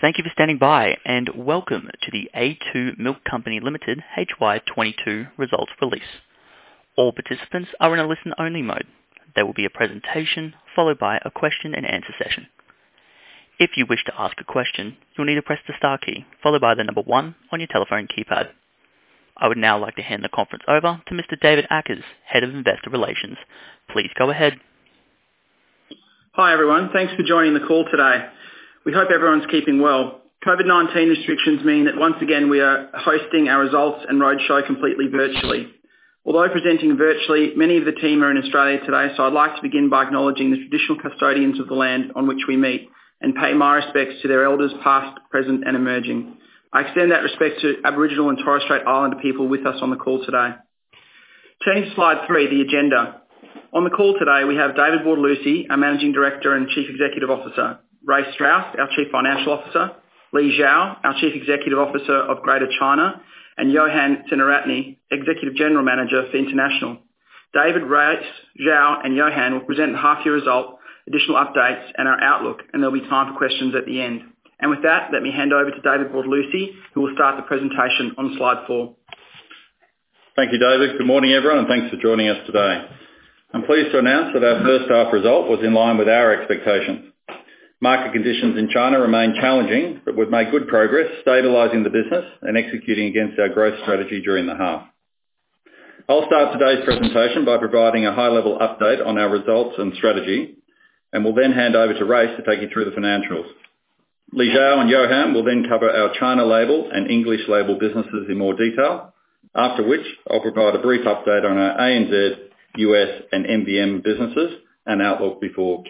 Thank you for standing by, and welcome to the The a2 Milk Company Limited HY22 results release. All participants are in a listen-only mode. There will be a presentation followed by a question and answer session. If you wish to ask a question, you'll need to press the star key followed by the number one on your telephone keypad. I would now like to hand the conference over to Mr. David Akers, Head of Investor Relations. Please go ahead. Hi, everyone. Thanks for joining the call today. We hope everyone's keeping well. COVID-19 restrictions mean that once again we are hosting our results and roadshow completely virtually. Although presenting virtually, many of the team are in Australia today, so I'd like to begin by acknowledging the traditional custodians of the land on which we meet, and pay my respects to their elders past, present, and emerging. I extend that respect to Aboriginal and Torres Strait Islander people with us on the call today. Turning to slide three, the agenda. On the call today, we have David Bortolussi, our Managing Director and Chief Executive Officer, Race Strauss, our Chief Financial Officer, Xiao Li, our Chief Executive Officer of Greater China, and Yohan Senaratne, Executive General Manager for International. David, Race, Xiao, and Yohan will present the half year result, additional updates, and our outlook, and there'll be time for questions at the end. With that, let me hand over to David Bortolussi, who will start the presentation on slide four. Thank you, David. Good morning, everyone, and thanks for joining us today. I'm pleased to announce that our first half result was in line with our expectations. Market conditions in China remain challenging, but we've made good progress stabilizing the business and executing against our growth strategy during the half. I'll start today's presentation by providing a high-level update on our results and strategy and will then hand over to Race to take you through the financials. Xiao Li and Yohan will then cover our China label and English label businesses in more detail. After which, I'll provide a brief update on our ANZ, U.S., and MVM businesses and outlook before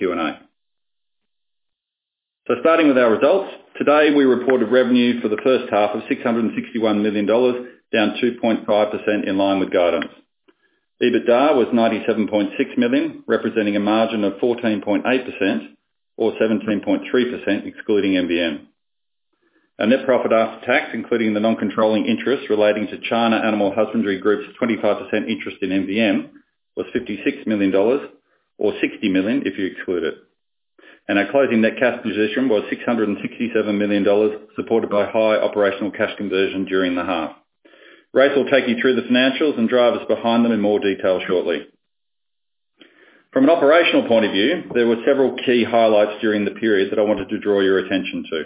Q&A. Starting with our results, today, we reported revenue for the first half of 661 million dollars, down 2.5% in line with guidance. EBITDA was 97.6 million, representing a margin of 14.8% or 17.3% excluding MVM. Our net profit after tax, including the non-controlling interest relating to China Animal Husbandry Group's 25% interest in MVM was 56 million dollars or 60 million if you exclude it. Our closing net cash position was 667 million dollars supported by high operational cash conversion during the half. Race will take you through the financials and drivers behind them in more detail shortly. From an operational point of view, there were several key highlights during the period that I wanted to draw your attention to.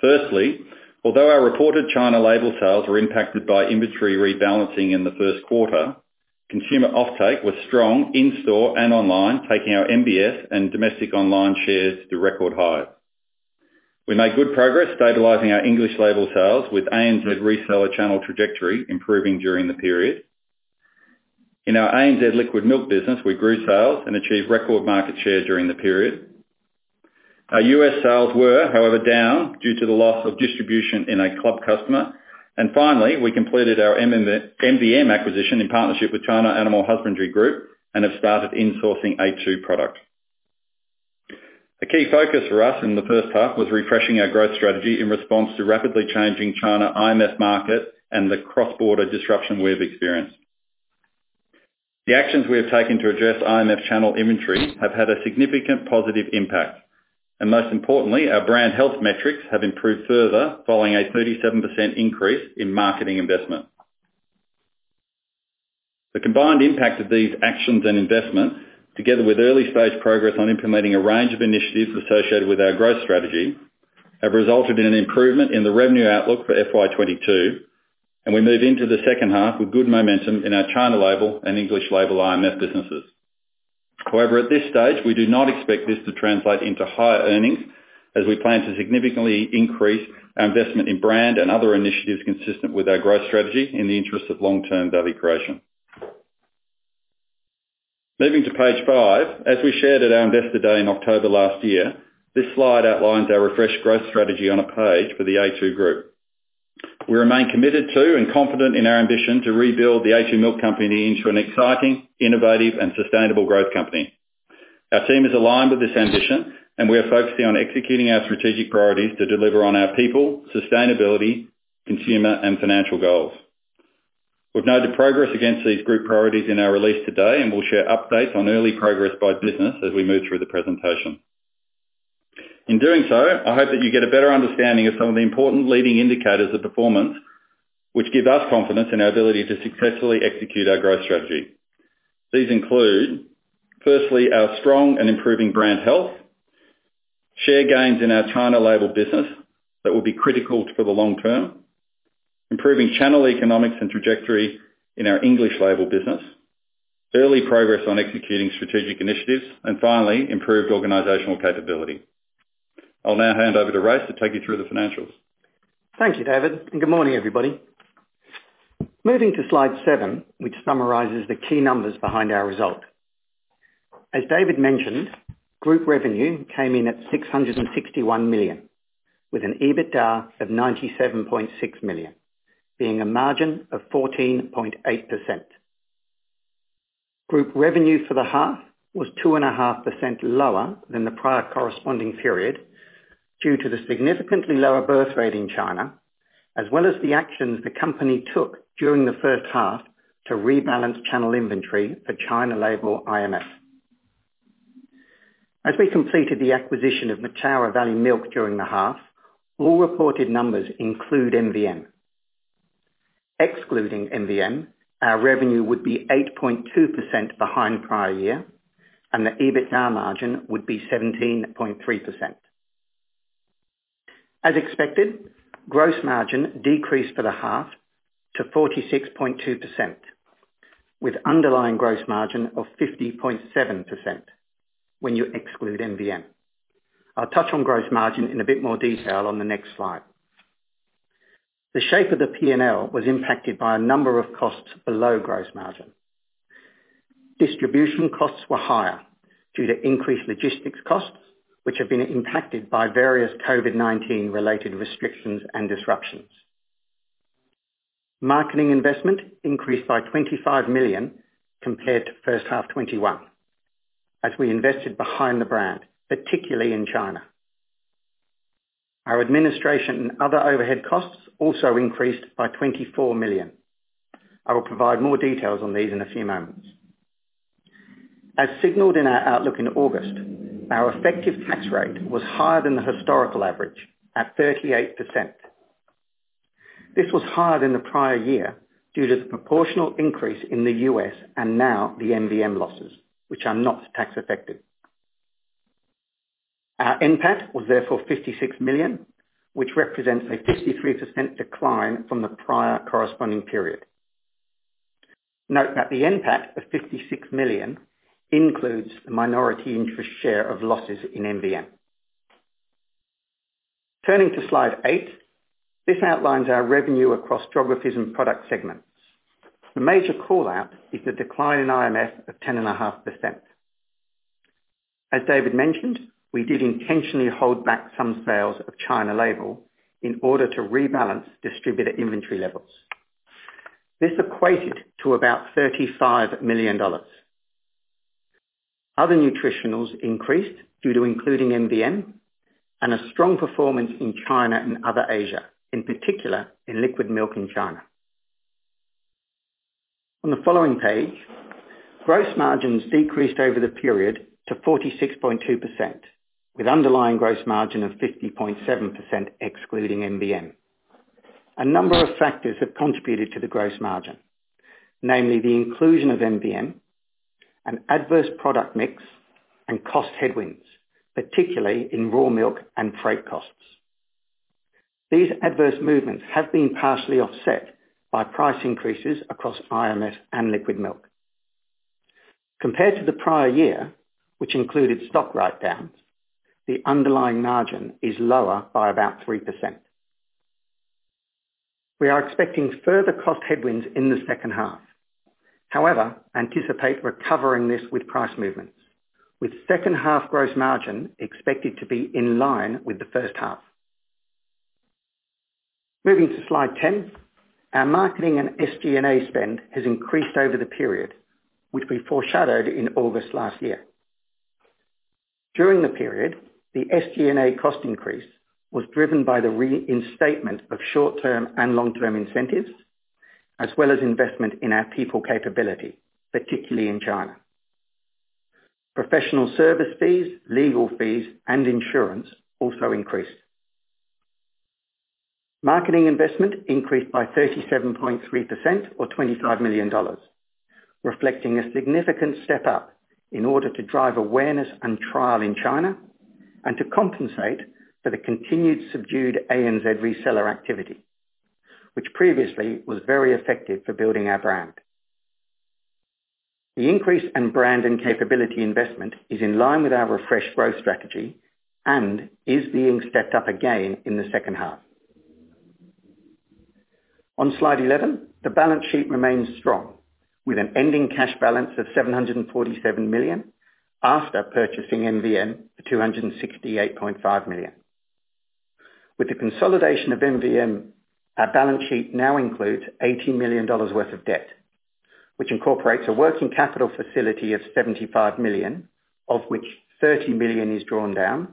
Firstly, although our reported China label sales were impacted by inventory rebalancing in the first quarter, consumer offtake was strong in store and online, taking our MBS and domestic online shares to record high. We made good progress stabilizing our English label sales with ANZ reseller channel trajectory improving during the period. In our ANZ liquid milk business, we grew sales and achieved record market share during the period. Our U.S. sales were, however, down due to the loss of distribution in our club customer. Finally, we completed our MVM acquisition in partnership with China Animal Husbandry Group and have started insourcing A2 product. A key focus for us in the first half was refreshing our growth strategy in response to rapidly changing China IMF market and the cross-border disruption we have experienced. The actions we have taken to address IMF channel inventory have had a significant positive impact. Most importantly, our brand health metrics have improved further, following a 37% increase in marketing investment. The combined impact of these actions and investment, together with early stage progress on implementing a range of initiatives associated with our growth strategy, have resulted in an improvement in the revenue outlook for FY 2022, and we move into the second half with good momentum in our China label and English label IMF businesses. However, at this stage, we do not expect this to translate into higher earnings as we plan to significantly increase our investment in brand and other initiatives consistent with our growth strategy in the interest of long-term value creation. Moving to page five. As we shared at our Investor Day in October last year, this slide outlines our refreshed growth strategy on a page for the a2 Group. We remain committed to and confident in our ambition to rebuild the a2 Milk Company into an exciting, innovative, and sustainable growth company. Our team is aligned with this ambition, and we are focusing on executing our strategic priorities to deliver on our people, sustainability, consumer, and financial goals. We've noted progress against these group priorities in our release today, and we'll share updates on early progress by business as we move through the presentation. In doing so, I hope that you get a better understanding of some of the important leading indicators of performance, which give us confidence in our ability to successfully execute our growth strategy. These include, firstly, our strong and improving brand health, share gains in our China label business that will be critical for the long term, improving channel economics and trajectory in our English label business, early progress on executing strategic initiatives, and finally, improved organizational capability. I'll now hand over to Race to take you through the financials. Thank you, David, and good morning, everybody. Moving to slide seven, which summarizes the key numbers behind our results. As David mentioned, group revenue came in at 661 million, with an EBITDA of 97.6 million, being a margin of 14.8%. Group revenue for the half was 2.5% lower than the prior corresponding period due to the significantly lower birth rate in China, as well as the actions the company took during the first half to rebalance channel inventory for China label IMFs. We completed the acquisition of Mataura Valley Milk during the half, all reported numbers include MVM. Excluding MVM, our revenue would be 8.2% behind prior year, and the EBITDA margin would be 17.3%. As expected, gross margin decreased for the half to 46.2%, with underlying gross margin of 50.7% when you exclude MVM. I'll touch on gross margin in a bit more detail on the next slide. The shape of the P&L was impacted by a number of costs below gross margin. Distribution costs were higher due to increased logistics costs, which have been impacted by various COVID-19 related restrictions and disruptions. Marketing investment increased by 25 million compared to first half 2021 as we invested behind the brand, particularly in China. Our administration and other overhead costs also increased by 24 million. I will provide more details on these in a few moments. As signaled in our outlook in August, our effective tax rate was higher than the historical average at 38%. This was higher than the prior year due to the proportional increase in the U.S. and now the MVM losses, which are not tax effective. Our NPAT was therefore 56 million, which represents a 53% decline from the prior corresponding period. Note that the NPAT of 56 million includes the minority interest share of losses in MVM. Turning to slide eight, this outlines our revenue across geographies and product segments. The major call-out is the decline in IMF of 10.5%. As David mentioned, we did intentionally hold back some sales of China label in order to rebalance distributor inventory levels. This equated to about 35 million dollars. Other nutritionals increased due to including MVM and a strong performance in China and other Asia, in particular in liquid milk in China. On the following page, gross margins decreased over the period to 46.2%, with underlying gross margin of 50.7% excluding MVM. A number of factors have contributed to the gross margin, namely the inclusion of MVM, an adverse product mix, and cost headwinds, particularly in raw milk and freight costs. These adverse movements have been partially offset by price increases across IMF and liquid milk. Compared to the prior year, which included stock write-downs, the underlying margin is lower by about 3%. We are expecting further cost headwinds in the second half, however, we anticipate recovering this with price movements, with second half gross margin expected to be in line with the first half. Moving to slide 10, our marketing and SG&A spend has increased over the period, which we foreshadowed in August last year. During the period, the SG&A cost increase was driven by the reinstatement of short-term and long-term incentives, as well as investment in our people capability, particularly in China. Professional service fees, legal fees, and insurance also increased. Marketing investment increased by 37.3% or 25 million dollars, reflecting a significant step up in order to drive awareness and trial in China and to compensate for the continued subdued ANZ reseller activity, which previously was very effective for building our brand. The increase in brand and capability investment is in line with our refreshed growth strategy and is being stepped up again in the second half. On slide 11, the balance sheet remains strong, with an ending cash balance of 747 million after purchasing MVM for 268.5 million. With the consolidation of MVM, our balance sheet now includes 80 million dollars worth of debt, which incorporates a working capital facility of 75 million, of which 30 million is drawn down,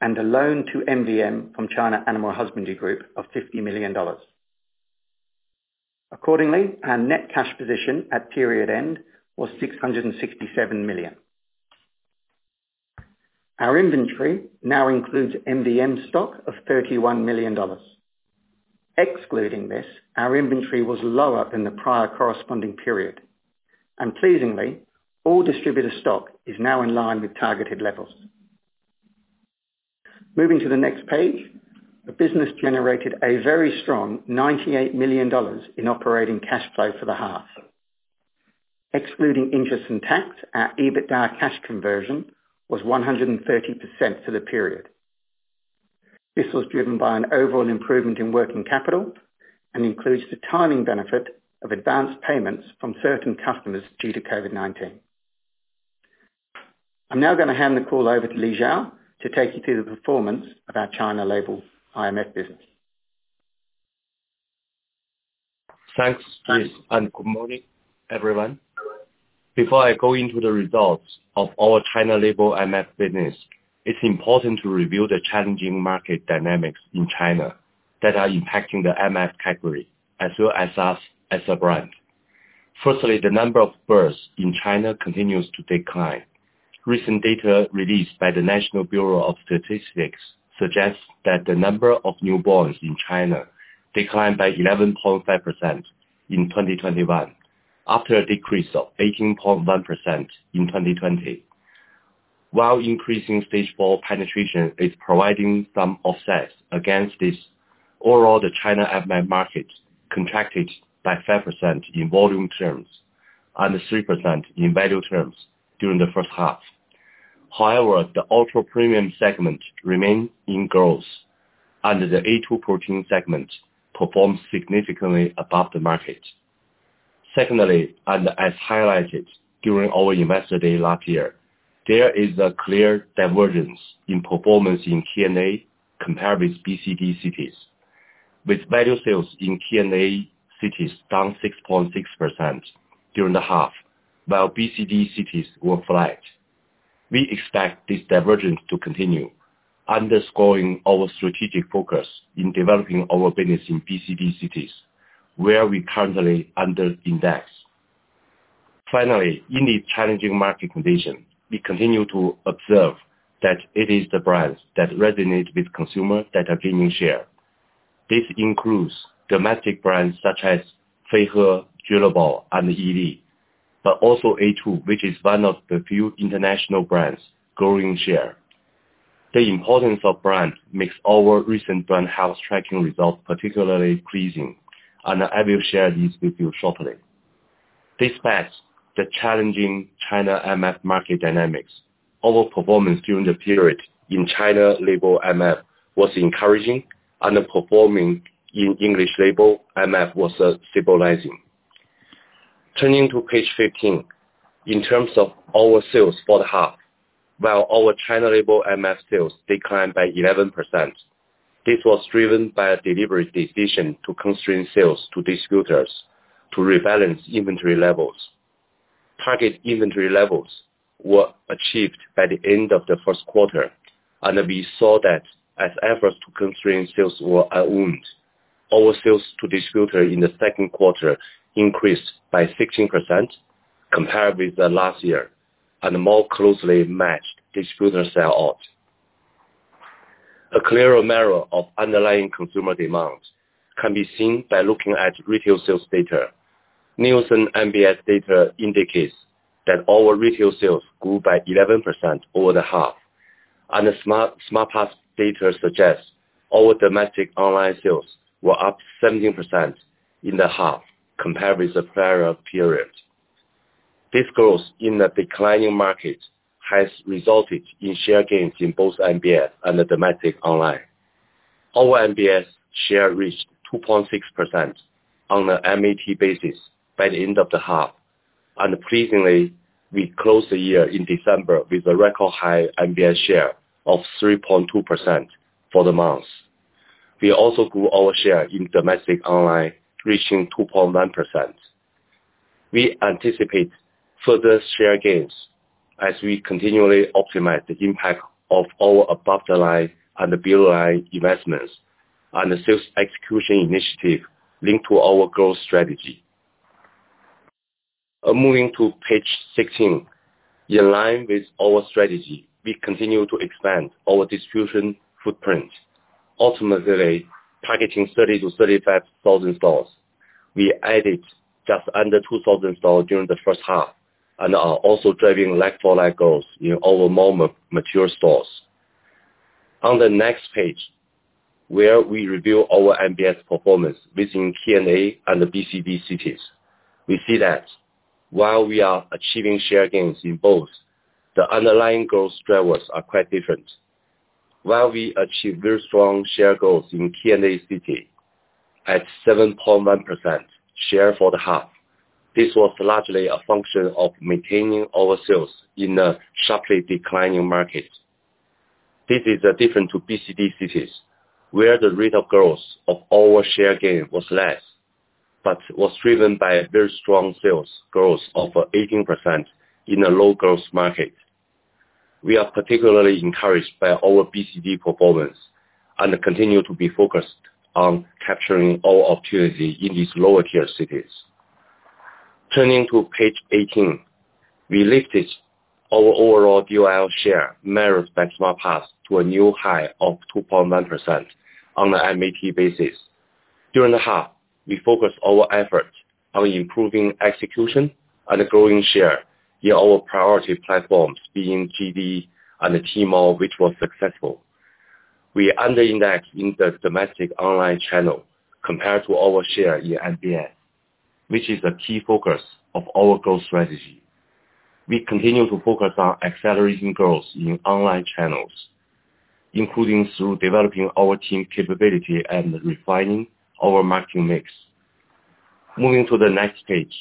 and a loan to MVM from China Animal Husbandry Group of 50 million dollars. Accordingly, our net cash position at period end was 667 million. Our inventory now includes MVM stock of 31 million dollars. Excluding this, our inventory was lower than the prior corresponding period. Pleasingly, all distributor stock is now in line with targeted levels. Moving to the next page, the business generated a very strong 98 million dollars in operating cash flow for the half. Excluding interest and tax, our EBITDA cash conversion was 130% for the period. This was driven by an overall improvement in working capital and includes the timing benefit of advanced payments from certain customers due to COVID-19. I'm now gonna hand the call over to Li Xiao to take you through the performance of our China label IMF business. Thanks, Race, and good morning, everyone. Before I go into the results of our China label IMF business, it's important to review the challenging market dynamics in China. That are impacting the MF category as well as us as a brand. Firstly, the number of births in China continues to decline. Recent data released by the National Bureau of Statistics suggests that the number of newborns in China declined by 11.5% in 2021, after a decrease of 18.1% in 2020. While increasing Stage 4 penetration is providing some offsets against this, overall, the China MF market contracted by 5% in volume terms and 3% in value terms during the first half. However, the ultra premium segment remain in growth, and the A2 protein segment performed significantly above the market. Secondly, and as highlighted during our investor day last year, there is a clear divergence in performance in TNA compared with BCD cities, with value sales in TNA cities down 6.6% during the half, while BCD cities were flat. We expect this divergence to continue, underscoring our strategic focus in developing our business in BCD cities, where we currently underindex. Finally, in this challenging market condition, we continue to observe that it is the brands that resonate with consumers that are gaining share. This includes domestic brands such as Feihe, Junlebao, and Aidi, but also a2, which is one of the few international brands growing share. The importance of brand makes our recent brand health tracking results particularly pleasing, and I will share these with you shortly. Despite the challenging China IMF market dynamics, our performance during the period in China label IMF was encouraging, underperforming in English label IMF was stabilizing. Turning to page 15, in terms of our sales for the half, while our China label IMF sales declined by 11%, this was driven by a deliberate decision to constrain sales to distributors to rebalance inventory levels. Target inventory levels were achieved by the end of the first quarter, and we saw that as efforts to constrain sales were unwound, our sales to distributor in the second quarter increased by 16% compared with last year and more closely matched distributor sell out. A clearer mirror of underlying consumer demand can be seen by looking at retail sales data. Nielsen MBS data indicates that our retail sales grew by 11% over the half, and the Smart Path data suggests our domestic online sales were up 17% in the half compared with the prior period. This growth in the declining market has resulted in share gains in both MBS and the domestic online. Our MBS share reached 2.6% on an MAT basis by the end of the half, and pleasingly, we closed the year in December with a record high MBS share of 3.2% for the month. We also grew our share in domestic online, reaching 2.9%. We anticipate further share gains as we continually optimize the impact of our above the line and below the line investments and the sales execution initiative linked to our growth strategy. Moving to page 16. In line with our strategy, we continue to expand our distribution footprint, ultimately targeting 30,000-35,000 stores. We added just under 2,000 stores during the first half and are also driving like-for-like growth in our more mature stores. On the next page, where we review our MBS performance within TNA and the BCD cities, we see that while we are achieving share gains in both, the underlying growth drivers are quite different. While we achieved very strong share growth in TNA city at 7.1% share for the half, this was largely a function of maintaining our sales in a sharply declining market. This is different to BCD cities, where the rate of growth of our share gain was less but was driven by a very strong sales growth of 18% in a low-growth market. We are particularly encouraged by our BCD performance and continue to be focused on capturing all opportunities in these lower-tier cities. Turning to page 18. We lifted our overall a2 share measured by Smart Path to a new high of 2.9% on an MAT basis. During the half, we focused our efforts on improving execution and growing share in our priority platforms, being JD and Tmall, which was successful. We underindex in the domestic online channel compared to our share in MBS, which is a key focus of our growth strategy. We continue to focus on accelerating growth in online channels, including through developing our team capability and refining our marketing mix. Moving to the next page.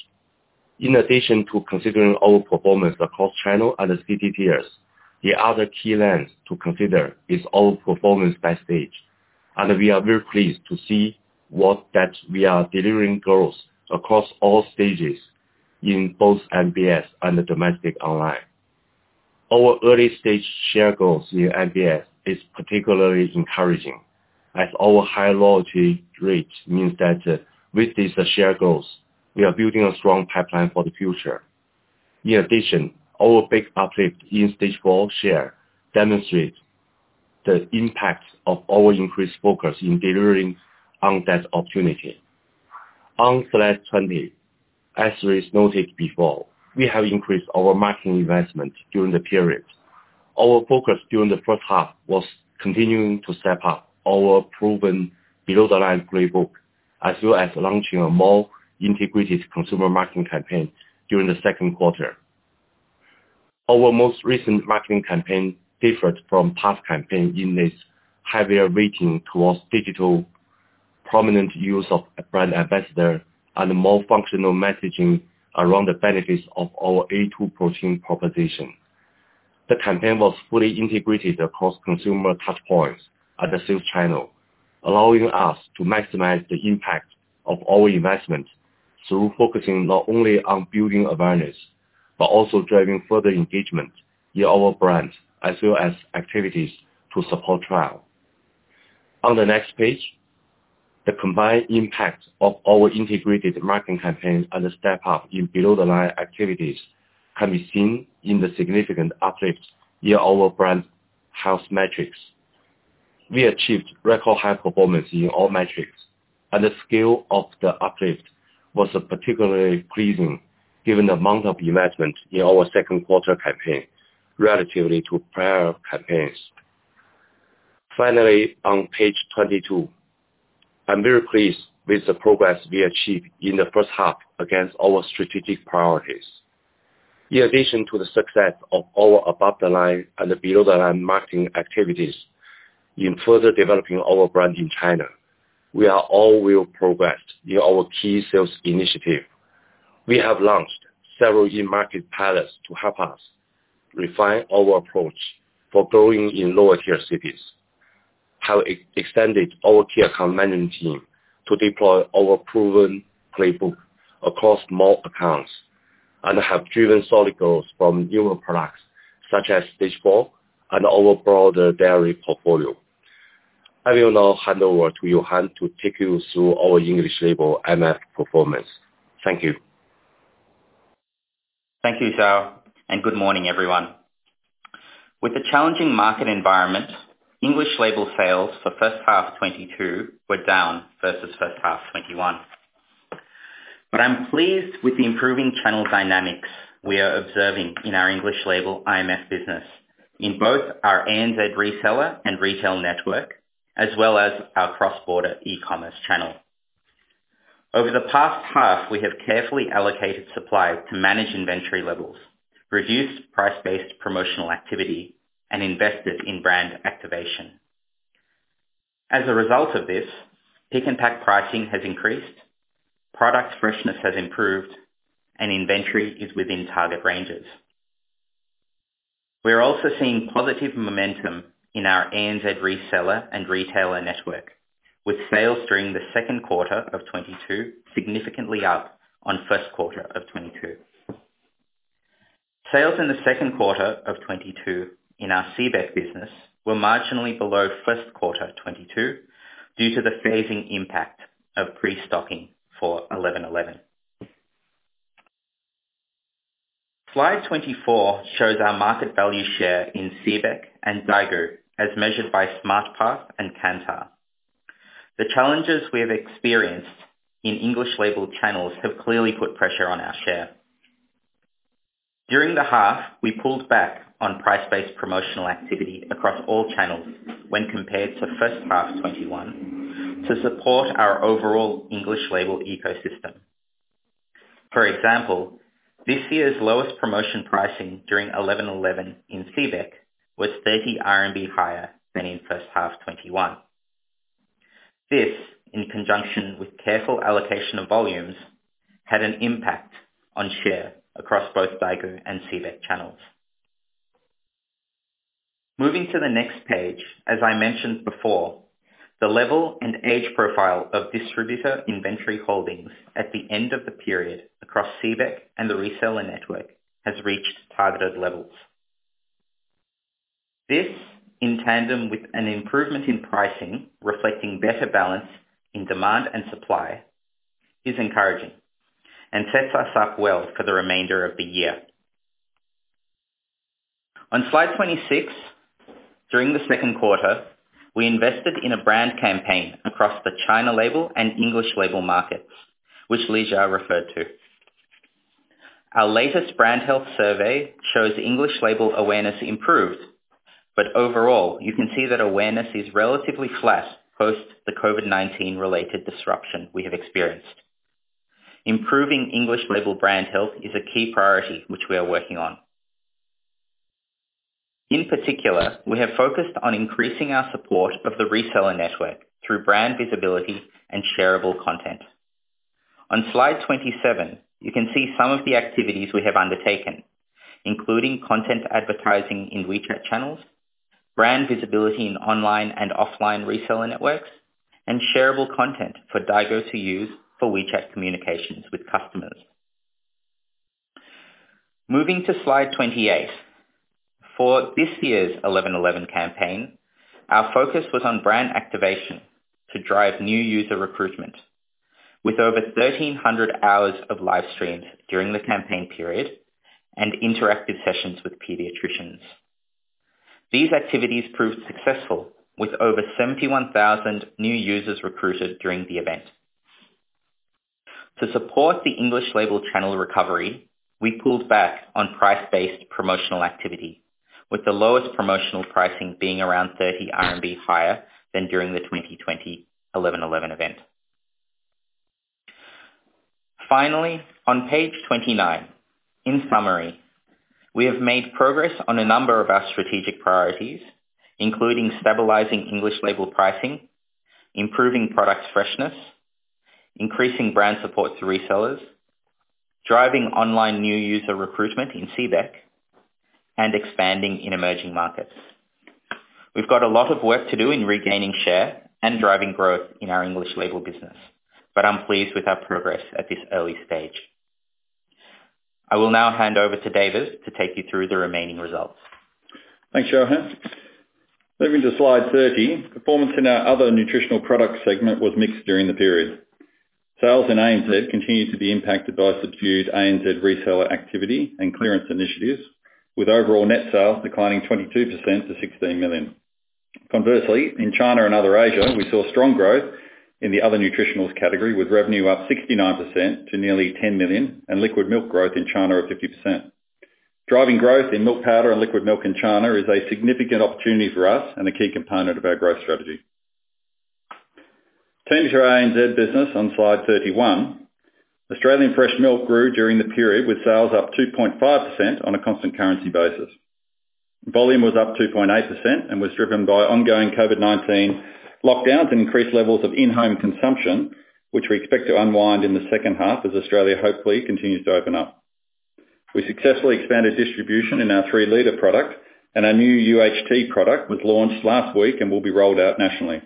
In addition to considering our performance across channel and city tiers, the other key lens to consider is our performance by stage, and we are very pleased to see that we are delivering growth across all stages in both MBS and the domestic online. Our early stage share goals in MBS is particularly encouraging, as our high loyalty rates means that, with these share goals, we are building a strong pipeline for the future. In addition, our big uplift in Stage 4 share demonstrates the impact of our increased focus in delivering on that opportunity. On slide 20, as Chris noted before, we have increased our marketing investment during the period. Our focus during the first half was continuing to step up our proven below the line playbook, as well as launching a more integrated consumer marketing campaign during the second quarter. Our most recent marketing campaign differed from past campaign in its heavier weighting towards digital, prominent use of a brand ambassador, and more functional messaging around the benefits of our A2 protein proposition. The campaign was fully integrated across consumer touch points at the sales channel, allowing us to maximize the impact of our investment through focusing not only on building awareness, but also driving further engagement in our brands, as well as activities to support trial. On the next page, the combined impact of our integrated marketing campaign and the step-up in below-the-line activities can be seen in the significant uplift in our brand health metrics. We achieved record high performance in all metrics, and the scale of the uplift was particularly pleasing given the amount of investment in our second quarter campaign relative to prior campaigns. Finally, on page 22, I'm very pleased with the progress we achieved in the first half against our strategic priorities. In addition to the success of our above the line and the below the line marketing activities in further developing our brand in China, we have really progressed in our key sales initiative. We have launched several new market pilots to help us refine our approach for growing in lower tier cities. We have extended our key account management team to deploy our proven playbook across more accounts and have driven solid growth from newer products such as Stage 4 and our broader dairy portfolio. I will now hand over to Yohan to take you through our English label IMF performance. Thank you. Thank you, Li Xiao, and good morning, everyone. With the challenging market environment, English label sales for first half 2022 were down versus first half 2021. I'm pleased with the improving channel dynamics we are observing in our English label IMF business in both our ANZ reseller and retail network, as well as our cross-border e-commerce channel. Over the past half, we have carefully allocated supply to manage inventory levels, reduced price-based promotional activity, and invested in brand activation. As a result of this, pick-and-pack pricing has increased, product freshness has improved, and inventory is within target ranges. We are also seeing positive momentum in our ANZ reseller and retailer network, with sales during the second quarter of 2022 significantly up on first quarter of 2022. Sales in the second quarter of 2022 in our CBEC business were marginally below first quarter 2022 due to the phasing impact of pre-stocking for 11.11. Slide 24 shows our market value share in CBEC and Daigou, as measured by Smart Path and Kantar. The challenges we have experienced in English label channels have clearly put pressure on our share. During the half, we pulled back on price-based promotional activity across all channels when compared to first half 2021 to support our overall English label ecosystem. For example, this year's lowest promotion pricing during 11.11 in CBEC was 30 RMB higher than in first half 2021. This, in conjunction with careful allocation of volumes, had an impact on share across both Daigou and CBEC channels. Moving to the next page, as I mentioned before, the level and age profile of distributor inventory holdings at the end of the period across CBEC and the reseller network has reached targeted levels. This, in tandem with an improvement in pricing, reflecting better balance in demand and supply, is encouraging and sets us up well for the remainder of the year. On slide 26, during the second quarter, we invested in a brand campaign across the China label and English label markets, which Li Xiao referred to. Our latest brand health survey shows English label awareness improved, but overall, you can see that awareness is relatively flat post the COVID-19 related disruption we have experienced. Improving English label brand health is a key priority which we are working on. In particular, we have focused on increasing our support of the reseller network through brand visibility and shareable content. On slide 27, you can see some of the activities we have undertaken, including content advertising in WeChat channels. Brand visibility in online and offline reseller networks, and shareable content for Daigou to use for WeChat communications with customers. Moving to slide 28. For this year's 11.11 campaign, our focus was on brand activation to drive new user recruitment with over 1,300 hours of live stream during the campaign period and interactive sessions with pediatricians. These activities proved successful with over 71,000 new users recruited during the event. To support the English Label channel recovery, we pulled back on price-based promotional activity with the lowest promotional pricing being around 30 RMB higher than during the 2020 11.11 event. Finally, on page 29, in summary, we have made progress on a number of our strategic priorities, including stabilizing English Label pricing, improving product freshness, increasing brand support to resellers, driving online new user recruitment in CBEC, and expanding in emerging markets. We've got a lot of work to do in regaining share and driving growth in our English Label business, but I'm pleased with our progress at this early stage. I will now hand over to David to take you through the remaining results. Thanks, Yohan. Moving to slide 30. Performance in our other nutritional products segment was mixed during the period. Sales in ANZ continued to be impacted by subdued ANZ reseller activity and clearance initiatives, with overall net sales declining 22% to 16 million. Conversely, in China and other Asia, we saw strong growth in the other nutritionals category, with revenue up 69% to nearly 10 million and liquid milk growth in China of 50%. Driving growth in milk powder and liquid milk in China is a significant opportunity for us and a key component of our growth strategy. Turning to our ANZ business on slide 31. Australian fresh milk grew during the period with sales up 2.5% on a constant currency basis. Volume was up 2.8% and was driven by ongoing COVID-19 lockdowns and increased levels of in-home consumption, which we expect to unwind in the second half as Australia hopefully continues to open up. We successfully expanded distribution in our 3 L product, and our new UHT product was launched last week and will be rolled out nationally.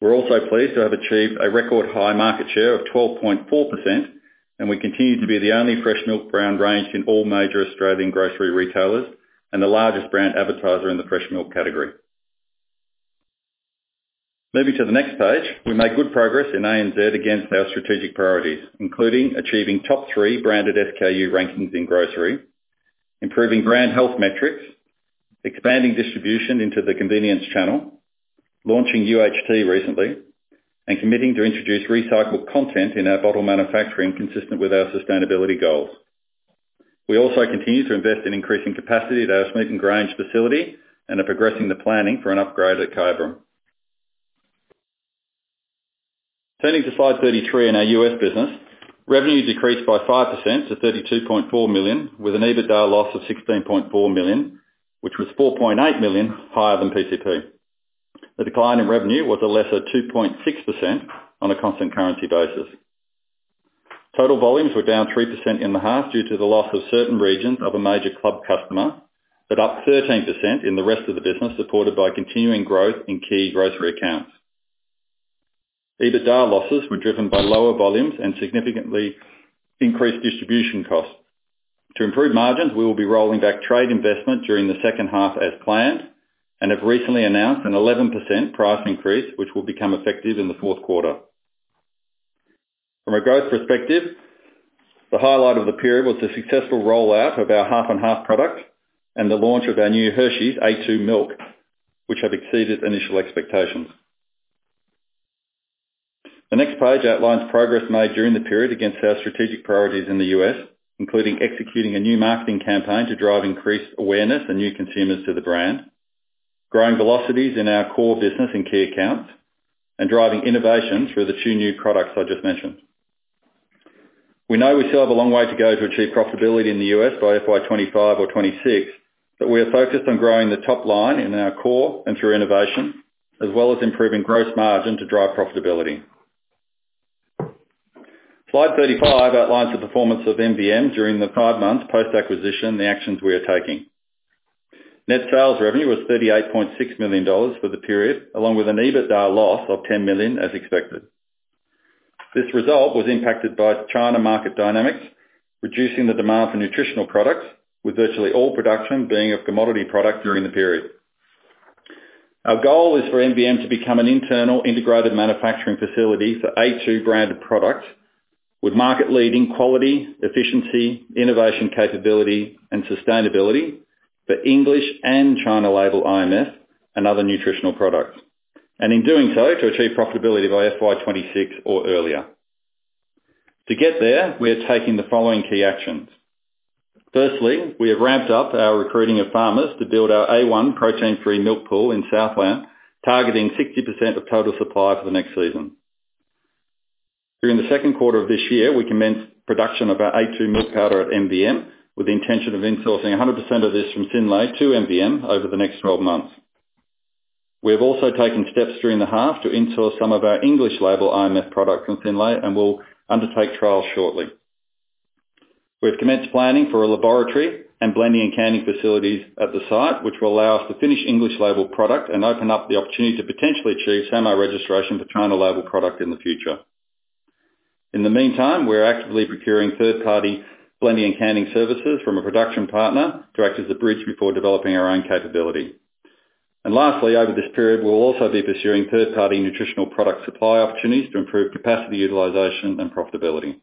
We're also pleased to have achieved a record high market share of 12.4%, and we continue to be the only fresh milk brand ranged in all major Australian grocery retailers and the largest brand advertiser in the fresh milk category. Moving to the next page. We made good progress in ANZ against our strategic priorities, including achieving top three branded SKU rankings in grocery, improving brand health metrics, expanding distribution into the convenience channel, launching UHT recently, and committing to introduce recycled content in our bottle manufacturing consistent with our sustainability goals. We also continue to invest in increasing capacity at our Smeaton Grange facility and are progressing the planning for an upgrade at Kyabram. Turning to slide 33 in our U.S. business. Revenue decreased by 5% to 32.4 million, with an EBITDA loss of 16.4 million, which was 4.8 million higher than PCP. The decline in revenue was a lesser 2.6% on a constant currency basis. Total volumes were down 3% in the half due to the loss of certain regions of a major club customer, but up 13% in the rest of the business, supported by continuing growth in key grocery accounts. EBITDA losses were driven by lower volumes and significantly increased distribution costs. To improve margins, we will be rolling back trade investment during the second half as planned and have recently announced an 11% price increase, which will become effective in the fourth quarter. From a growth perspective, the highlight of the period was the successful rollout of our Half and Half product and the launch of our new Hershey's a2 Milk, which have exceeded initial expectations. The next page outlines progress made during the period against our strategic priorities in the U.S., including executing a new marketing campaign to drive increased awareness and new consumers to the brand, growing velocities in our core business in key accounts, and driving innovations for the two new products I just mentioned. We know we still have a long way to go to achieve profitability in the U.S. by FY 2025 or 2026, but we are focused on growing the top line in our core and through innovation, as well as improving gross margin to drive profitability. Slide 35 outlines the performance of MVM during the five months post-acquisition and the actions we are taking. Net sales revenue was 38.6 million dollars for the period, along with an EBITDA loss of 10 million as expected. This result was impacted by China market dynamics, reducing the demand for nutritional products, with virtually all production being of commodity product during the period. Our goal is for MVM to become an internal integrated manufacturing facility for a2 branded product with market-leading quality, efficiency, innovation capability, and sustainability for ANZ and China label IMF and other nutritional products. In doing so, to achieve profitability by FY 2026 or earlier. To get there, we are taking the following key actions. Firstly, we have ramped up our recruiting of farmers to build our A1 protein-free milk pool in Southland, targeting 60% of total supply for the next season. During the second quarter of this year, we commenced production of our a2 Milk powder at MVM, with the intention of insourcing 100% of this from Synlait to MVM over the next 12 months. We have also taken steps during the half to insource some of our English label IMF products from Synlait, and we'll undertake trials shortly. We've commenced planning for a laboratory and blending and canning facilities at the site, which will allow us to finish English label product and open up the opportunity to potentially achieve SAMR registration for China label product in the future. In the meantime, we're actively procuring third-party blending and canning services from a production partner to act as a bridge before developing our own capability. Lastly, over this period, we will also be pursuing third-party nutritional product supply opportunities to improve capacity, utilization, and profitability.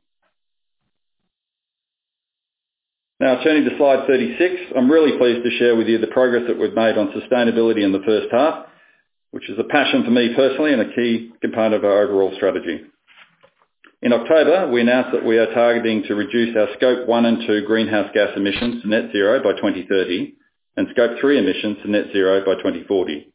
Now turning to slide 36, I'm really pleased to share with you the progress that we've made on sustainability in the first half, which is a passion for me personally and a key component of our overall strategy. In October, we announced that we are targeting to reduce our Scope 1 and 2 greenhouse gas emissions to net zero by 2030 and Scope 3 emissions to net zero by 2040.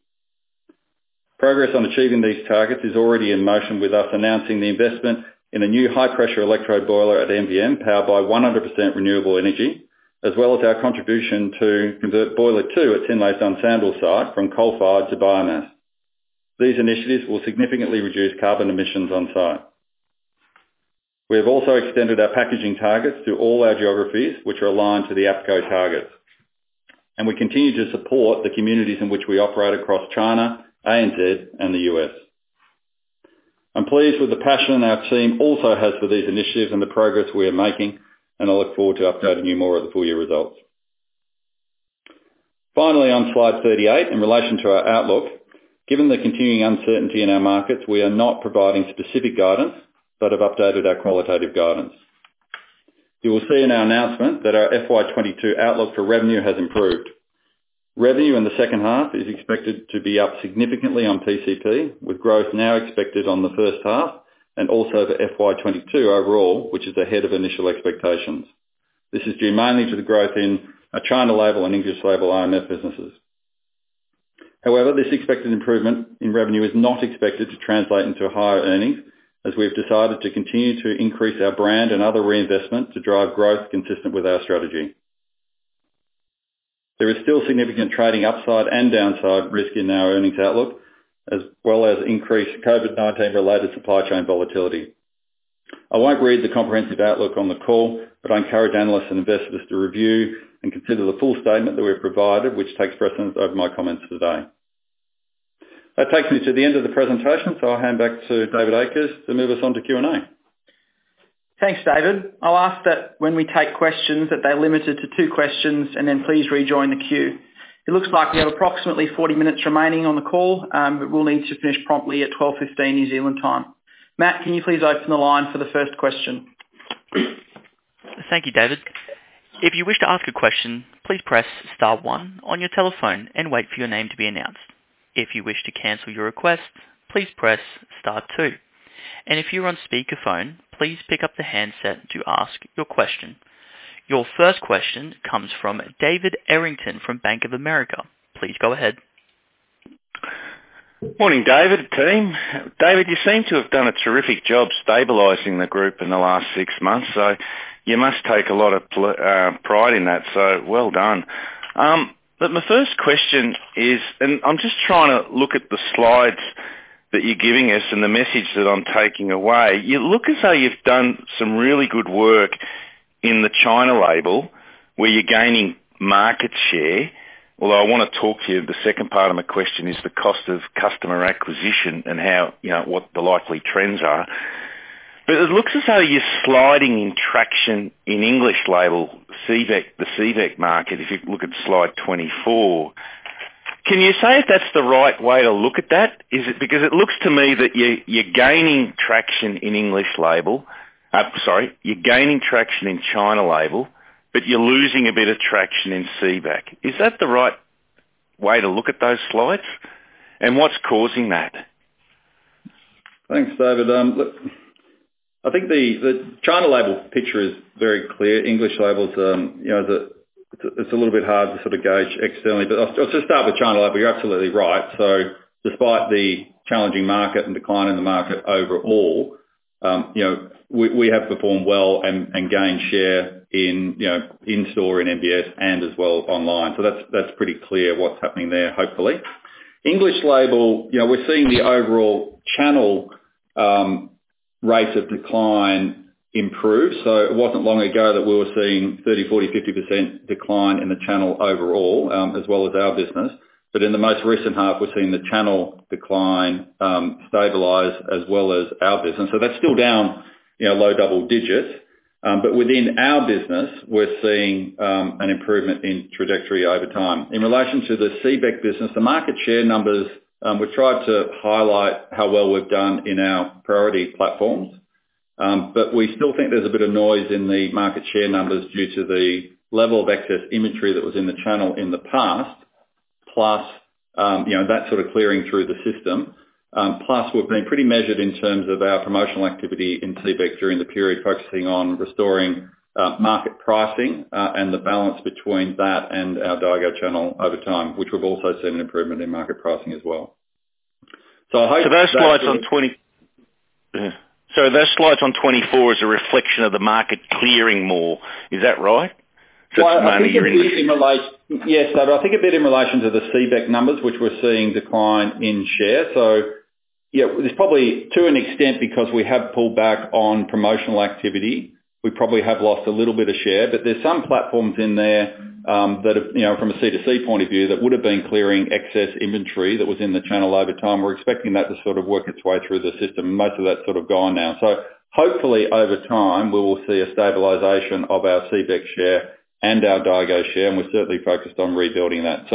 Progress on achieving these targets is already in motion, with us announcing the investment in a new high-pressure electrode boiler at MVM, powered by 100% renewable energy, as well as our contribution to convert Boiler 2 at Synlait's Dunsandel site from coal-fired to biomass. These initiatives will significantly reduce carbon emissions on-site. We have also extended our packaging targets to all our geographies which are aligned to the APCO targets, and we continue to support the communities in which we operate across China, ANZ, and the U.S. I'm pleased with the passion our team also has for these initiatives and the progress we are making, and I look forward to updating you more at the full-year results. Finally, on slide 38, in relation to our outlook, given the continuing uncertainty in our markets, we are not providing specific guidance but have updated our qualitative guidance. You will see in our announcement that our FY 2022 outlook for revenue has improved. Revenue in the second half is expected to be up significantly on PCP, with growth now expected on the first half and also for FY 2022 overall, which is ahead of initial expectations. This is due mainly to the growth in our China label and English label IMF businesses. However, this expected improvement in revenue is not expected to translate into higher earnings as we've decided to continue to increase our brand and other reinvestment to drive growth consistent with our strategy. There is still significant trading upside and downside risk in our earnings outlook, as well as increased COVID-19 related supply chain volatility. I won't read the comprehensive outlook on the call, but I encourage analysts and investors to review and consider the full statement that we have provided, which takes precedence over my comments today. That takes me to the end of the presentation, so I'll hand back to David Akers to move us on to Q&A. Thanks, David. I'll ask that when we take questions that they're limited to two questions and then please rejoin the queue. It looks like we have approximately 40 minutes remaining on the call, but we'll need to finish promptly at 12:15 P.M. New Zealand time. Matt, can you please open the line for the first question? Thank you, David. If you wish to ask a question, please press star one on your telephone and wait for your name to be announced. If you wish to cancel your request, please press star two. If you're on speakerphone, please pick up the handset to ask your question. Your first question comes from David Errington from Bank of America. Please go ahead. Morning, David. Team. David, you seem to have done a terrific job stabilizing the group in the last six months, so you must take a lot of pride in that, so well done. My first question is. I'm just trying to look at the slides that you're giving us and the message that I'm taking away. You look as though you've done some really good work in the China label, where you're gaining market share, although I wanna talk to you, the second part of my question is the cost of customer acquisition and how, you know, what the likely trends are. It looks as though you're sliding in traction in English label, CBEC, the CBEC market, if you look at slide 24. Can you say if that's the right way to look at that? Is it because it looks to me that you're gaining traction in English label. Sorry, you're gaining traction in China label, but you're losing a bit of traction in CBEC. Is that the right way to look at those slides? What's causing that? Thanks, David. Look, I think the China label picture is very clear. English label's, you know, the... It's a little bit hard to sort of gauge externally, but I'll just start with China label. You're absolutely right. Despite the challenging market and decline in the market overall, you know, we have performed well and gained share in, you know, in-store, in MBS and as well online. That's pretty clear what's happening there, hopefully. English label, you know, we're seeing the overall channel rate of decline improve. It wasn't long ago that we were seeing 30%, 40%, 50% decline in the channel overall, as well as our business. But in the most recent half, we've seen the channel decline stabilize as well as our business. That's still down, you know, low double digits. Within our business, we're seeing an improvement in trajectory over time. In relation to the CBEC business, the market share numbers, we've tried to highlight how well we've done in our priority platforms. We still think there's a bit of noise in the market share numbers due to the level of excess inventory that was in the channel in the past plus, you know, that sort of clearing through the system. Plus, we've been pretty measured in terms of our promotional activity in CBEC during the period, focusing on restoring market pricing and the balance between that and our Daigou channel over time, which we've also seen an improvement in market pricing as well. I hope. that slide on 24 is a reflection of the market clearing more. Is that right? Well, I think a bit in relation. Just mainly your industry. Yes, I think a bit in relation to the CBEC numbers, which we're seeing decline in share. Yeah, it's probably to an extent because we have pulled back on promotional activity. We probably have lost a little bit of share, but there's some platforms in there, you know, from a C2C point of view, that would have been clearing excess inventory that was in the channel over time. We're expecting that to sort of work its way through the system. Most of that's sort of gone now. Hopefully over time we will see a stabilization of our CBEC share and our Daigou share, and we're certainly focused on rebuilding that.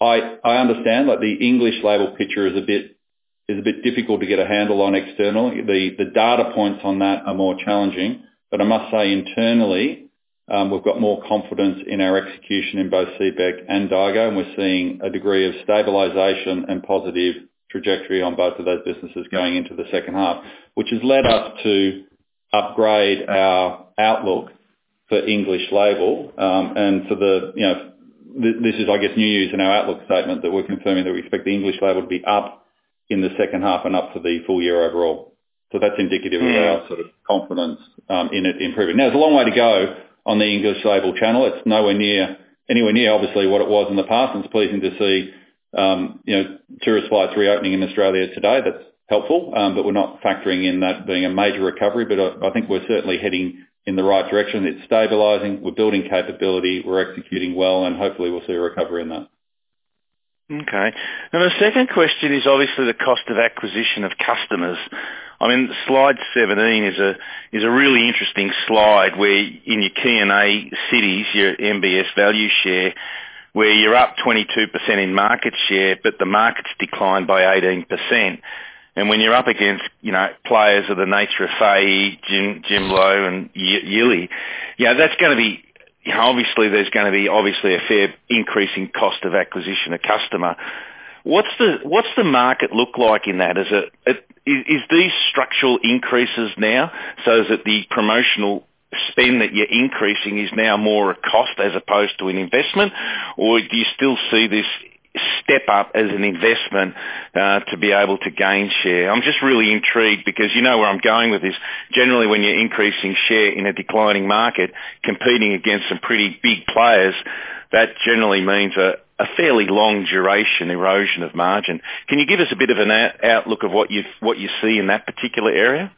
I understand that the English label picture is a bit difficult to get a handle on externally. The data points on that are more challenging. I must say internally, we've got more confidence in our execution in both CBEC and Daigou, and we're seeing a degree of stabilization and positive trajectory on both of those businesses going into the second half. Which has led us to upgrade our outlook for English Label. You know, this is, I guess, news in our outlook statement that we're confirming that we expect the English Label to be up in the second half and up for the full year overall. That's indicative. Yeah Of our sort of confidence in it improving. Now, there's a long way to go on the English Label channel. It's nowhere near, anywhere near, obviously what it was in the past. It's pleasing to see, you know, tourist flights reopening in Australia today. That's helpful, but we're not factoring in that being a major recovery. I think we're certainly heading in the right direction. It's stabilizing, we're building capability, we're executing well, and hopefully we'll see a recovery in that. Okay. The second question is obviously the cost of acquisition of customers. I mean, slide 17 is a really interesting slide where in your key and A cities, your MBS value share, where you're up 22% in market share, but the market's declined by 18%. When you're up against, you know, players of the nature of Feihe, Junlebao and Yili, yeah, that's gonna be. You know, obviously, there's gonna be a fair increase in cost of acquisition of customer. What's the market look like in that? Is it these structural increases now so that the promotional spend that you're increasing is now more a cost as opposed to an investment? Or do you still see this step up as an investment to be able to gain share? I'm just really intrigued because you know where I'm going with this. Generally, when you're increasing share in a declining market, competing against some pretty big players, that generally means a fairly long duration erosion of margin. Can you give us a bit of an outlook of what you see in that particular area?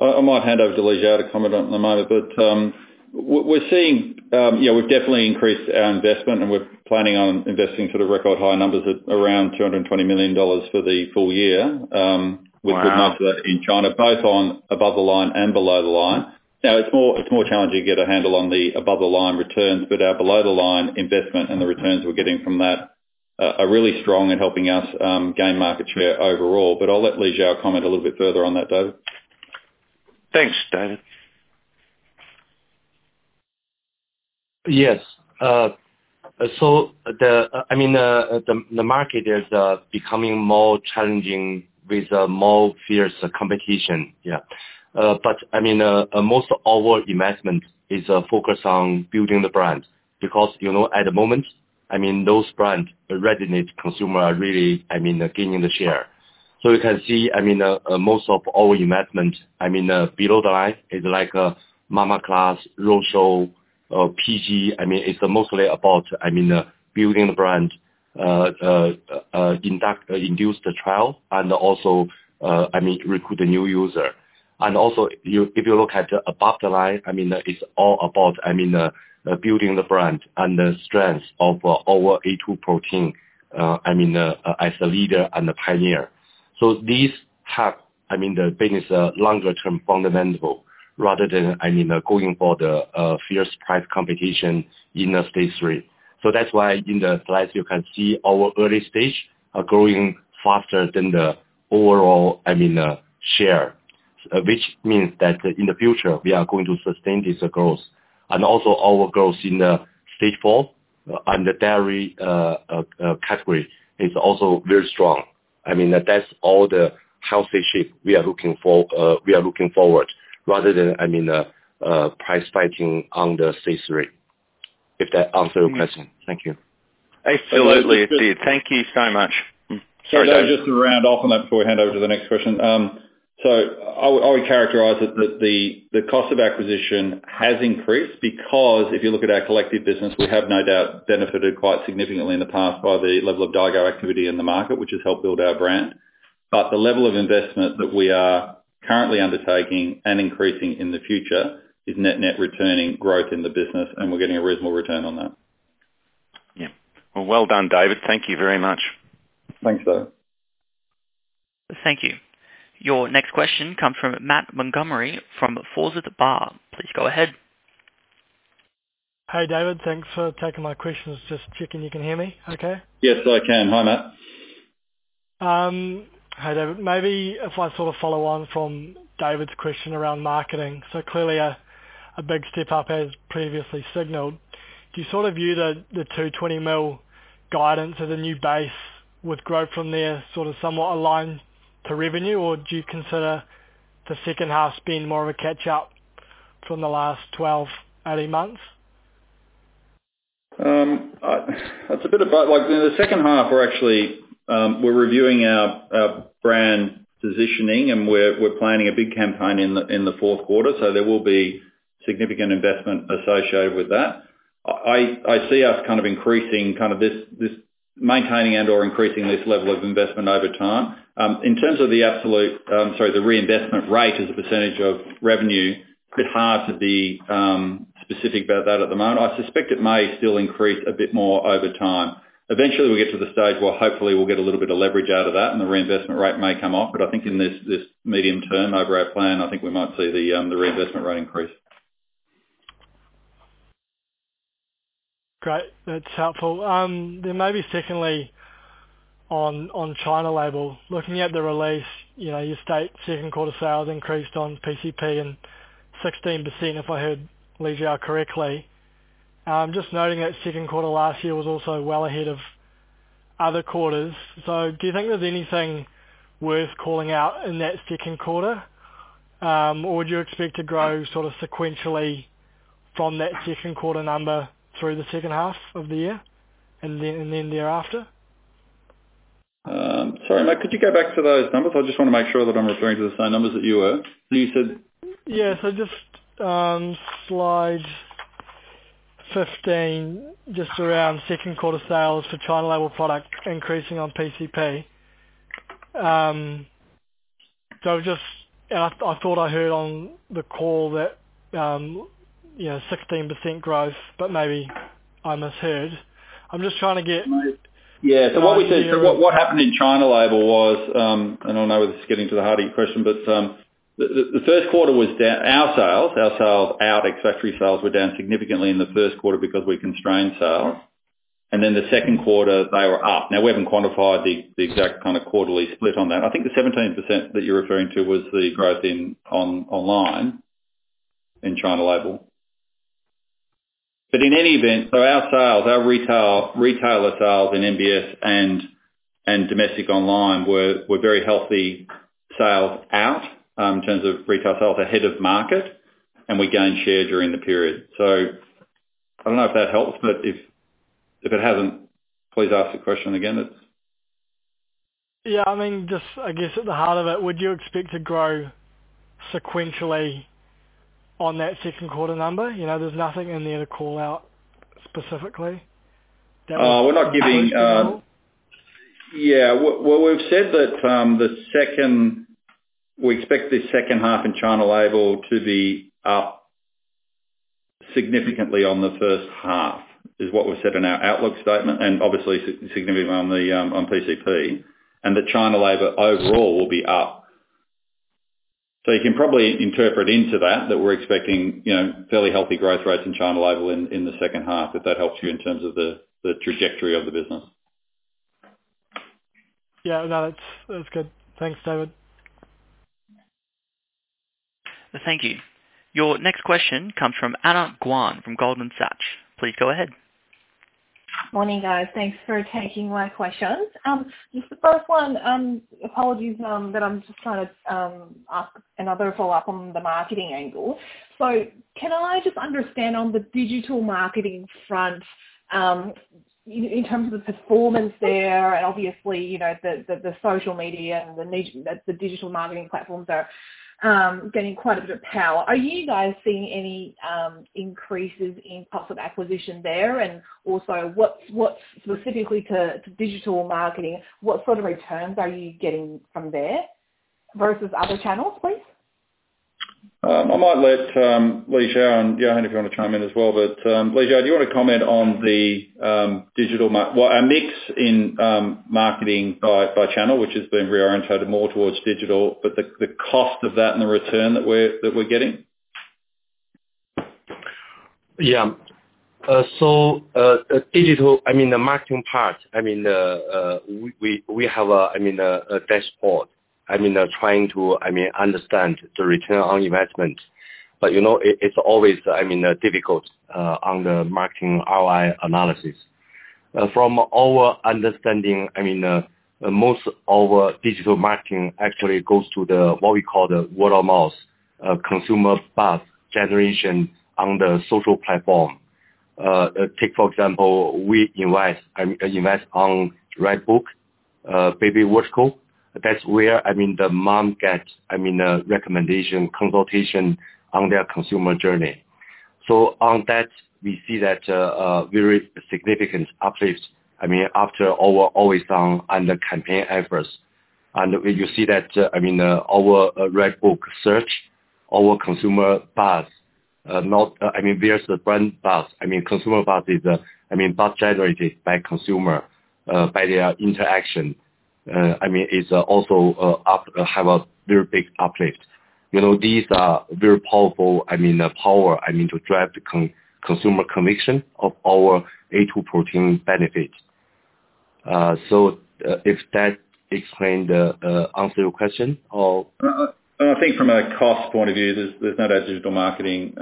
I might hand over to Li Xiao to comment on in a moment. Yeah, we've definitely increased our investment and we're planning on investing sort of record high numbers at around NZD 220 million for the full year. Wow. With most of that in China, both on above the line and below the line. It's more challenging to get a handle on the above the line returns, but our below the line investment and the returns we're getting from that are really strong in helping us gain market share overall. I'll let Xiao Li comment a little bit further on that, David. Thanks, David. Yes. The market is becoming more challenging with more fierce competition. Yeah. Most of our investment is focused on building the brand because, you know, at the moment, I mean, those brand resonate consumer really, I mean, gaining the share. You can see, I mean, most of our investment below the line is like a mama class, roadshow, PG. I mean, it's mostly about, I mean, building the brand, induce the trial and also, I mean, recruit the new user. Also, if you look at above the line, I mean, that is all about, I mean, building the brand and the strength of our A2 protein, I mean, as a leader and a pioneer. These have, I mean, the business longer term fundamental rather than, I mean, going for the fierce price competition in the Stage 3. That's why in the slides you can see our early stage are growing faster than the overall, I mean, share. Which means that in the future we are going to sustain this growth. Also our growth in the Stage 4 under dairy category is also very strong. I mean, that's all the healthy shape we are looking forward rather than, I mean, price fighting under Stage 3. If that answer your question. Thank you. Absolutely, it did. Thank you so much. Sorry, Dave, just to round off on that before we hand over to the next question. So I would characterize it that the cost of acquisition has increased because if you look at our collective business, we have no doubt benefited quite significantly in the past by the level of daigou activity in the market, which has helped build our brand. The level of investment that we are currently undertaking and increasing in the future is net returning growth in the business, and we're getting a reasonable return on that. Yeah. Well done, David. Thank you very much. Thanks, Dave. Thank you. Your next question comes from Matt Montgomerie from Forsyth Barr. Please go ahead. Hi, David. Thanks for taking my questions. Just checking you can hear me okay? Yes, I can. Hi, Matt. Hi, David. Maybe if I sort of follow on from David's question around marketing. Clearly a big step up as previously signaled. Do you sort of view the 220 million guidance as a new base with growth from there sort of somewhat aligned to revenue? Or do you consider the second half spend more of a catch-up from the last 12-18 months? That's a bit of both. Like in the second half, we're actually reviewing our brand positioning, and we're planning a big campaign in the fourth quarter, so there will be significant investment associated with that. I see us kind of increasing kind of this maintaining and/or increasing this level of investment over time. In terms of the reinvestment rate as a percentage of revenue, it's hard to be specific about that at the moment. I suspect it may still increase a bit more over time. Eventually, we get to the stage where hopefully we'll get a little bit of leverage out of that and the reinvestment rate may come off. I think in this medium term over our plan, I think we might see the reinvestment rate increase. Great. That's helpful. Then maybe secondly on China label. Looking at the release, you know, your stated second quarter sales increased on PCP by 16%, if I heard Li Xiao correctly. Just noting that second quarter last year was also well ahead of other quarters. Do you think there's anything worth calling out in that second quarter? Or would you expect to grow sort of sequentially from that second quarter number through the second half of the year and then thereafter? Sorry, Matt, could you go back to those numbers? I just wanna make sure that I'm referring to the same numbers that you were. Li said- Yeah. Just slide 15, just around second quarter sales for China label products increasing on PCP. I thought I heard on the call that, you know, 16% growth, but maybe I misheard. I'm just trying to get- What happened in China was, and I know this is getting to the heart of your question, but, the first quarter was down, our sales out ex-factory sales were down significantly in the first quarter because we constrained sales. Then the second quarter, they were up. We haven't quantified the exact kind of quarterly split on that. I think the 17% that you're referring to was the growth in online in China. In any event, our retailer sales in MBS and domestic online were very healthy sales out, in terms of retail sales ahead of market, and we gained share during the period. I don't know if that helps, but if it hasn't, please ask the question again. It's Yeah, I mean, just I guess at the heart of it, would you expect to grow sequentially on that second quarter number? You know, there's nothing in there to call out specifically. We're not giving... What we've said that we expect the second half in China label to be up significantly on the first half, is what was said in our outlook statement, and obviously significant on the PCP, and the China label overall will be up. You can probably interpret into that we're expecting, you know, fairly healthy growth rates in China label in the second half, if that helps you in terms of the trajectory of the business. Yeah. No, it's, that's good. Thanks, David. Thank you. Your next question comes from Anna Guan from Goldman Sachs. Please go ahead. Morning, guys. Thanks for taking my questions. Just the first one, apologies, but I'm just trying to ask another follow-up on the marketing angle. Can I just understand on the digital marketing front, in terms of the performance there, and obviously, you know, the social media and the digital marketing platforms are getting quite a bit of power. Are you guys seeing any increases in cost of acquisition there? And also what's specifically to digital marketing, what sort of returns are you getting from there versus other channels, please? I might let Li Xiao and Yohan, if you wanna chime in as well. Li Xiao, do you wanna comment on our mix in marketing by channel, which has been reorientated more towards digital, but the cost of that and the return that we're getting? Yeah. Digital, I mean, the marketing part, I mean, we have a dashboard, I mean, trying to understand the return on investment. You know, it's always, I mean, difficult on the marketing ROI analysis. From our understanding, I mean, most of our digital marketing actually goes to the, what we call the word-of-mouth consumer path generation on the social platform. Take for example, we invest on Red Book, Babytree, Watsons. That's where, I mean, the mom gets, I mean, a recommendation, consultation on their consumer journey. On that, we see that, a very significant uplift, I mean, after our always-on campaign efforts. You see that, I mean, our Red Book search, our consumer paths, not... I mean, there's a brand path. I mean, consumer path is path generated by consumer by their interaction. I mean, it's also have a very big uplift. You know, these are very powerful, I mean, to drive the consumer conviction of our A2 protein benefit. So, if that explain the answer your question or- I think from a cost point of view, there's no doubt digital marketing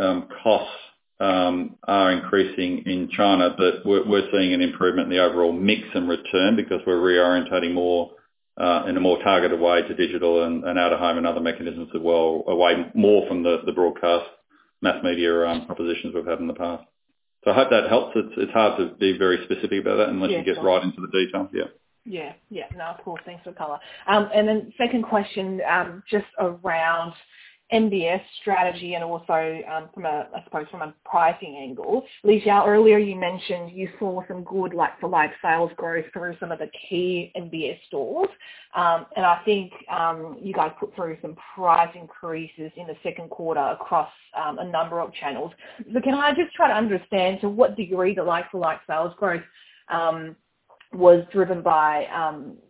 costs are increasing in China, but we're seeing an improvement in the overall mix and return because we're reorienting more in a more targeted way to digital and out-of-home and other mechanisms as well, away more from the broadcast mass media propositions we've had in the past. I hope that helps. It's hard to be very specific about that. Yeah. Unless you get right into the details. Yeah. Yeah. Yeah. No, of course. Thanks for the color. And then second question, just around MBS strategy and also, from a, I suppose from a pricing angle. Xiao Li, earlier you mentioned you saw some good like-for-like sales growth through some of the key MBS stores. And I think, you guys put through some price increases in the second quarter across, a number of channels. So can I just try to understand to what degree the like-for-like sales growth, was driven by,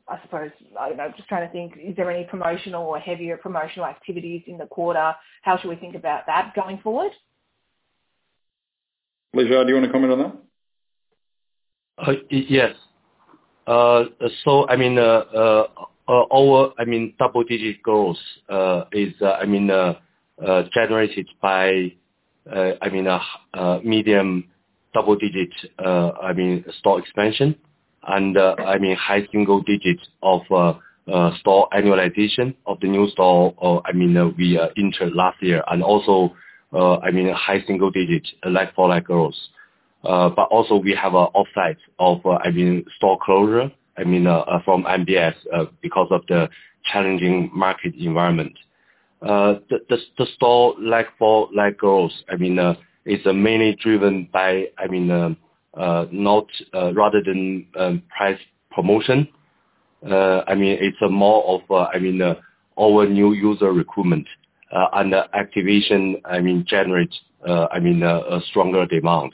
I suppose, I don't know, just trying to think, is there any promotional or heavier promotional activities in the quarter? How should we think about that going forward? Xiao Li, do you wanna comment on that? Yes. I mean, our double-digit growth is generated by a mid double-digit store expansion and high single digits of store annualization of the new stores we entered last year and also high single-digit like-for-like growth. But also we have an offset by store closures from MBS because of the challenging market environment. The store like-for-like growth is mainly driven by, rather than price promotion. I mean, it's more of our new user recruitment and activation generate a stronger demand,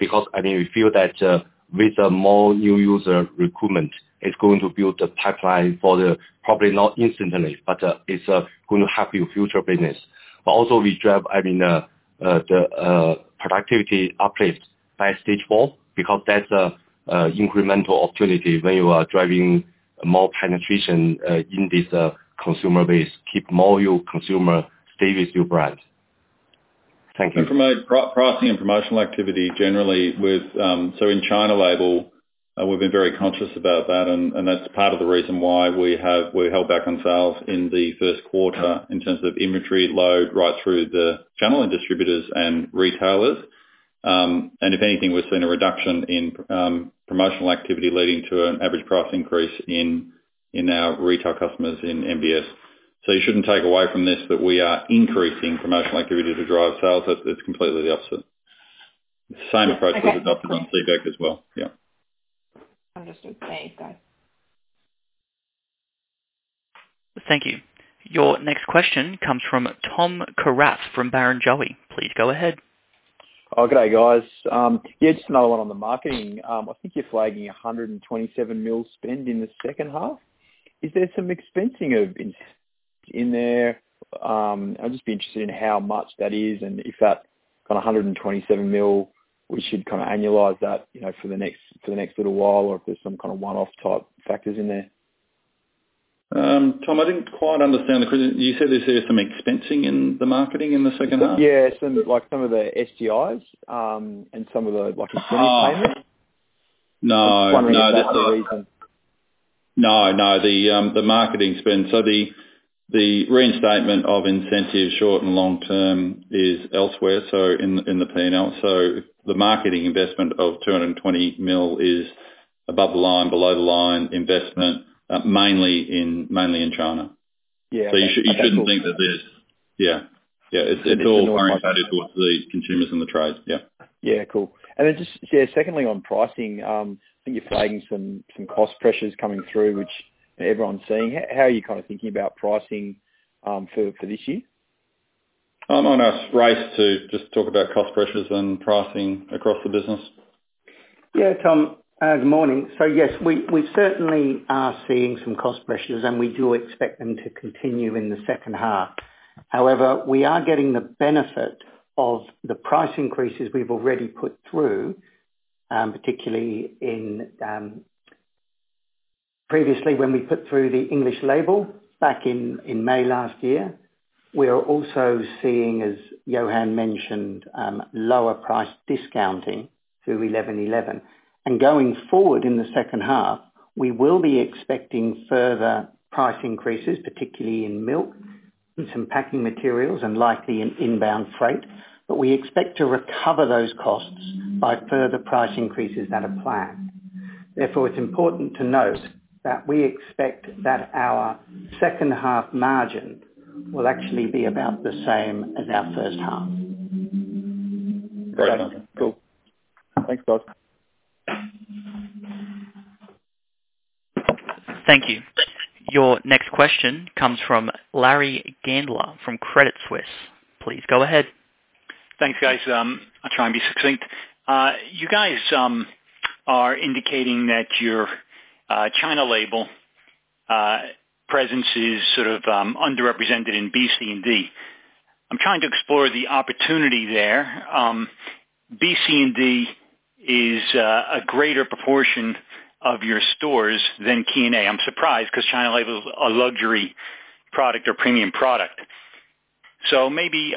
because I mean we feel that with more new user recruitment, it's going to build a pipeline for the future. Probably not instantly, but it's gonna help your future business. Also we drive the productivity uplift by Stage 4 because that's incremental opportunity when you are driving more penetration in this consumer base. Keep more of your consumers stay with your brand. Thank you. From a pricing and promotional activity generally with. In China, we've been very conscious about that, and that's part of the reason why we held back on sales in the first quarter in terms of inventory load right through the channel and distributors and retailers. If anything, we've seen a reduction in promotional activity leading to an average price increase in our retail customers in MBS. You shouldn't take away from this that we are increasing promotional activity to drive sales. It's completely the opposite. Same approach that's- Okay. Adopted on CBEC as well. Yeah. Understood. Thanks, guys. Thank you. Your next question comes from Thomas Kierath from Barrenjoey. Please go ahead. Good day, guys. Just another one on the marketing. I think you're flagging 127 million spend in the second half. Is there some expensing of incentives in there? I'm just interested in how much that is and if that kind of 127 million, we should kinda annualize that, you know, for the next little while or if there's some kinda one-off type factors in there. Tom, I didn't quite understand the question. You said, is there some expensing in the marketing in the second half? Yeah. Some of the SGIs and some of the, like, incentive payments. Oh. No. Just wondering if that's the reason. No, no. The marketing spend. The reinstatement of incentives, short and long term, is elsewhere, so in the P&L. The marketing investment of 220 million is above the line, below the line investment, mainly in China. Yeah. Okay. You shouldn't think that there's yeah. Yeah. It's all oriented towards the consumers and the trades. Yeah. Secondly, on pricing, I think you're flagging some cost pressures coming through, which everyone's seeing. How are you kinda thinking about pricing for this year? I'll ask Race to just talk about cost pressures and pricing across the business. Yeah. Tom, good morning. Yes, we certainly are seeing some cost pressures, and we do expect them to continue in the second half. However, we are getting the benefit of the price increases we've already put through, particularly in, previously when we put through the English label back in May last year. We are also seeing, as Yohan mentioned, lower price discounting through 11.11. Going forward in the second half, we will be expecting further price increases, particularly in milk and some packing materials and likely in inbound freight. We expect to recover those costs by further price increases that are planned. Therefore, it's important to note that we expect that our second half margin will actually be about the same as our first half. Great. Cool. Thanks, guys. Thank you. Your next question comes from Larry Gandler from Credit Suisse. Please go ahead. Thanks, guys. I'll try and be succinct. You guys are indicating that your China label presence is sort of underrepresented in B, C, and D. I'm trying to explore the opportunity there. B, C and D is a greater proportion of your stores than K and A. I'm surprised 'cause China label's a luxury product or premium product. Maybe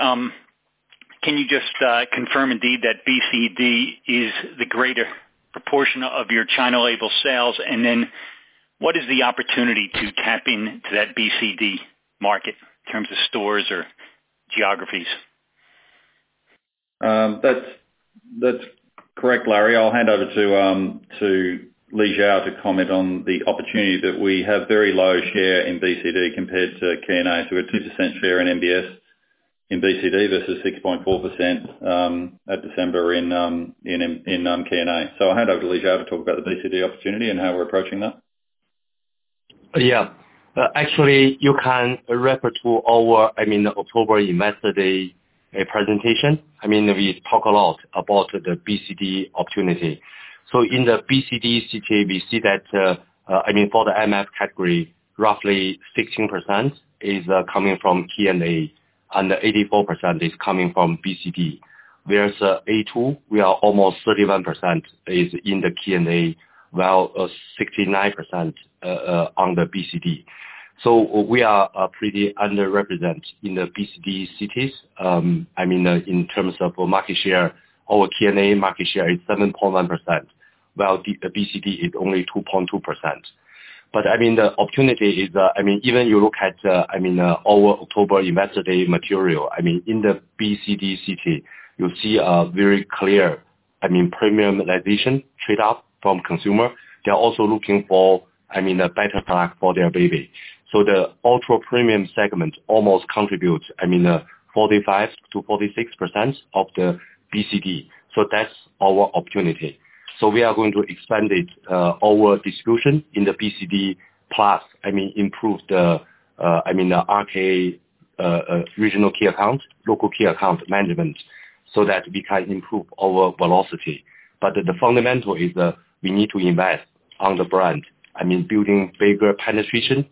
can you just confirm indeed that BCD is the greater proportion of your China label sales? What is the opportunity to tap into that BCD market in terms of stores or geographies? That's correct, Larry. I'll hand over to Xiao Li to comment on the opportunity that we have very low share in BCD compared to K&A. A 2% share in MBS in BCD versus 6.4% at December in K&A. I'll hand over to Xiao Li to talk about the BCD opportunity and how we're approaching that. Yeah. Actually, you can refer to our, I mean, October investor day presentation. I mean, we talk a lot about the BCD opportunity. In the BCD CT, we see that, I mean, for the MF category, roughly 16% is coming from K&A, and 84% is coming from BCD. There's A2. We are almost 31% is in the K&A, while 69% on the BCD. We are pretty underrepresented in the BCD cities. I mean, in terms of market share, our K&A market share is 7.9%, while the BCD is only 2.2%. The opportunity is, I mean, even if you look at our October investor day material. I mean, in the BCD city, you'll see a very clear, I mean, premium realization trade up from consumer. They're also looking for, I mean, a better product for their baby. The ultra premium segment almost contributes, I mean, 45%-46% of the BCD. That's our opportunity. We are going to expand it, our distribution in the BCD, plus, I mean, improve the, I mean, the RKA, regional key accounts, local key account management, so that we can improve our velocity. The fundamental is that we need to invest on the brand. I mean, building bigger penetration,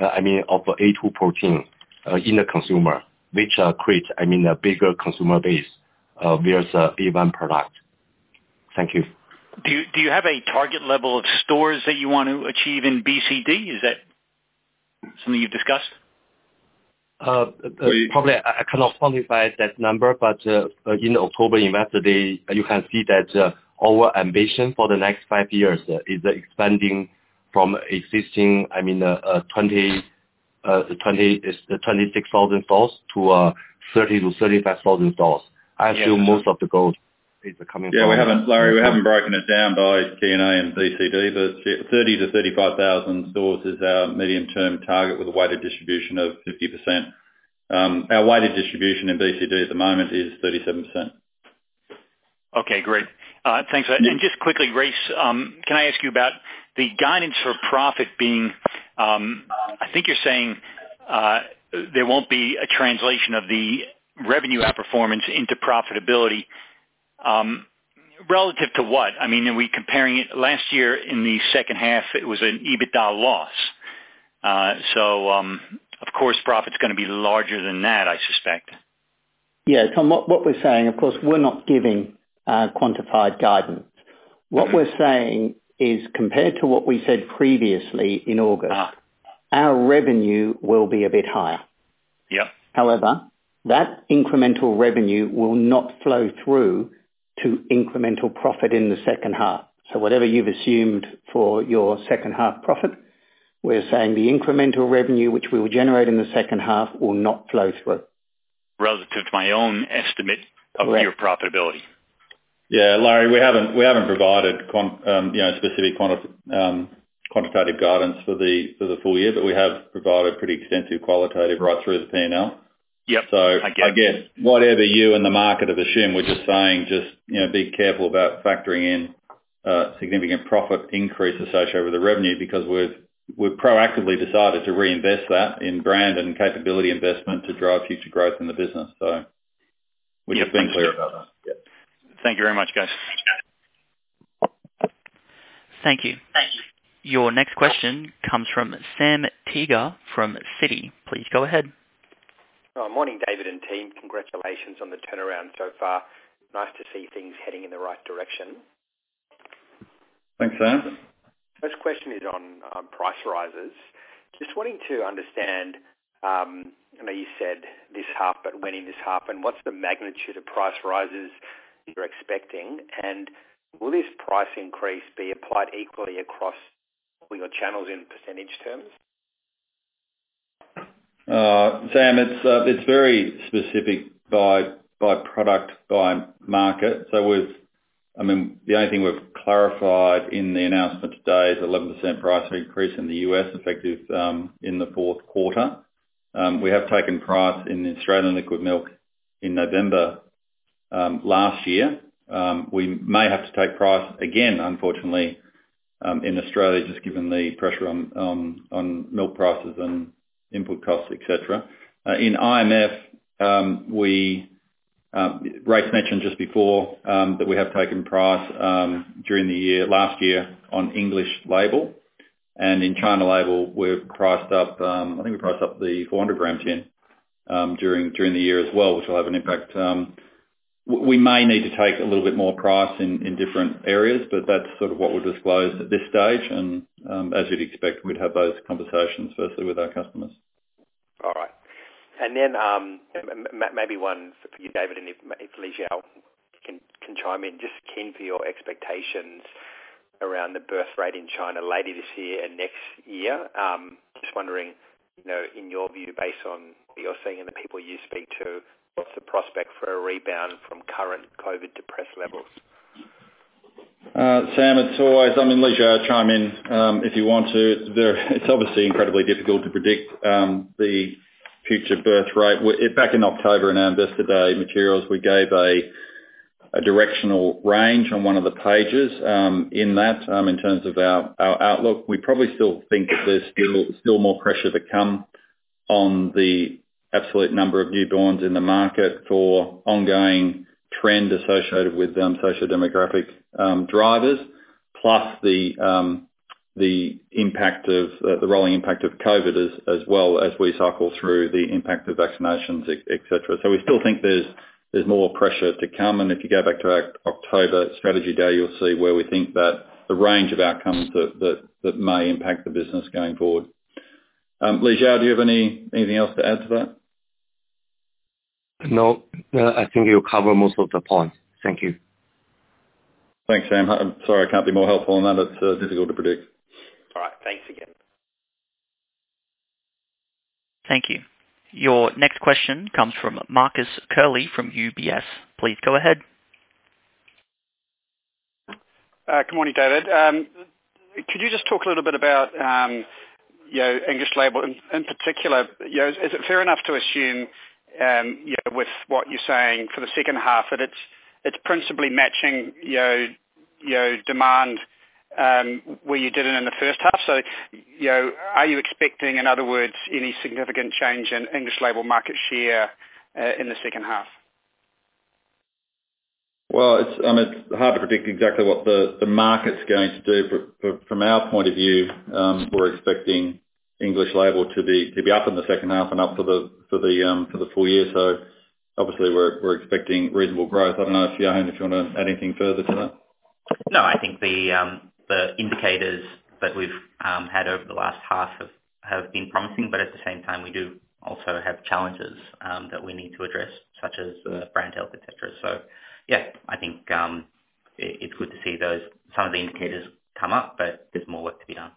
I mean, of A2 protein, in the consumer, which, creates, I mean, a bigger consumer base, versus A1 product. Thank you. Do you have a target level of stores that you want to achieve in BCD? Is that something you've discussed? Probably, I cannot quantify that number, but in October Investor Day, you can see that our ambition for the next five years is expanding from existing, I mean, 26,000 stores to 30,000-35,000 stores. I assume most of the growth is coming from- Yeah. We haven't, Larry, broken it down by K&A and BCD, but 30,000-35,000 stores is our medium-term target with a weighted distribution of 50%. Our weighted distribution in BCD at the moment is 37%. Okay, great. Thanks for that. Just quickly, Race, can I ask you about the guidance for profit being, I think you're saying, there won't be a translation of the revenue outperformance into profitability, relative to what? I mean, are we comparing it last year in the second half; it was an EBITDA loss. Of course, profit's gonna be larger than that, I suspect. Yeah. What we're saying, of course, we're not giving quantified guidance. Mm-hmm. What we're saying is, compared to what we said previously in August. Ah. Our revenue will be a bit higher. Yep. However, that incremental revenue will not flow through to incremental profit in the second half. Whatever you've assumed for your second half profit, we're saying the incremental revenue which we will generate in the second half will not flow through. Relative to my own estimate. Correct. of your profitability. Yeah. Larry, we haven't provided quantitative guidance for the full year, but we have provided pretty extensive qualitative right through the P&L. Yep. I get it. I guess whatever you and the market have assumed, we're just saying, you know, be careful about factoring in significant profit increase associated with the revenue because we've proactively decided to reinvest that in brand and capability investment to drive future growth in the business. We've just been clear about that. Thank you very much, guys. Thanks, guys. Thank you. Thank you. Your next question comes from Sam Teeger from Citi. Please go ahead. Morning, David and team. Congratulations on the turnaround so far. Nice to see things heading in the right direction. Thanks, Sam. First question is on price rises. Just wanting to understand, I know you said this half, but when in this half, and what's the magnitude of price rises you're expecting? And will this price increase be applied equally across all your channels in percentage terms? Sam, it's very specific by product, by market. I mean, the only thing we've clarified in the announcement today is 11% price increase in the U.S., effective in the fourth quarter. We have taken price in Australian liquid milk in November last year. We may have to take price again, unfortunately, in Australia, just given the pressure on milk prices and input costs, etc. In IMF, Race mentioned just before that we have taken price during the year, last year on English label. In China label, we've priced up. I think we priced up the 400 g tin during the year as well, which will have an impact. We may need to take a little bit more price in different areas, but that's sort of what we've disclosed at this stage. As you'd expect, we'd have those conversations firstly with our customers. All right. Then, maybe one for you, David, and if Xiao Li can chime in. Just keen for your expectations around the birth rate in China later this year and next year. Just wondering, you know, in your view, based on what you're seeing and the people you speak to, what's the prospect for a rebound from current COVID-depressed levels? Sam, it's always I mean, Xiao Li, chime in, if you want to. It's obviously incredibly difficult to predict the future birth rate. Back in October, in our Investor Day materials, we gave a directional range on one of the pages, in that, in terms of our outlook. We probably still think that there's still more pressure to come on the absolute number of newborns in the market or ongoing trend associated with the socio-demographic drivers, plus the impact of the rolling impact of COVID as well as we cycle through the impact of vaccinations, et cetera. We still think there's more pressure to come. If you go back to our October strategy day, you'll see where we think that the range of outcomes that may impact the business going forward. Xiao Li, do you have anything else to add to that? No, I think you covered most of the points. Thank you. Thanks, Sam. I'm sorry I can't be more helpful on that. It's difficult to predict. All right. Thanks again. Thank you. Your next question comes from Marcus Curley from UBS. Please go ahead. Good morning, David. Could you just talk a little bit about, you know, English label in particular? You know, is it fair enough to assume, you know, with what you're saying for the second half, that it's principally matching, you know, demand where you did it in the first half? You know, are you expecting, in other words, any significant change in English label market share in the second half? Well, I mean, it's hard to predict exactly what the market's going to do. But from our point of view, we're expecting English label to be up in the second half and up for the full year. Obviously we're expecting reasonable growth. I don't know, Yohan, if you wanna add anything further to that. No, I think the indicators that we've had over the last half have been promising, but at the same time, we do also have challenges that we need to address, such as brand health, et cetera. Yeah, I think it's good to see those some of the indicators come up, but there's more work to be done.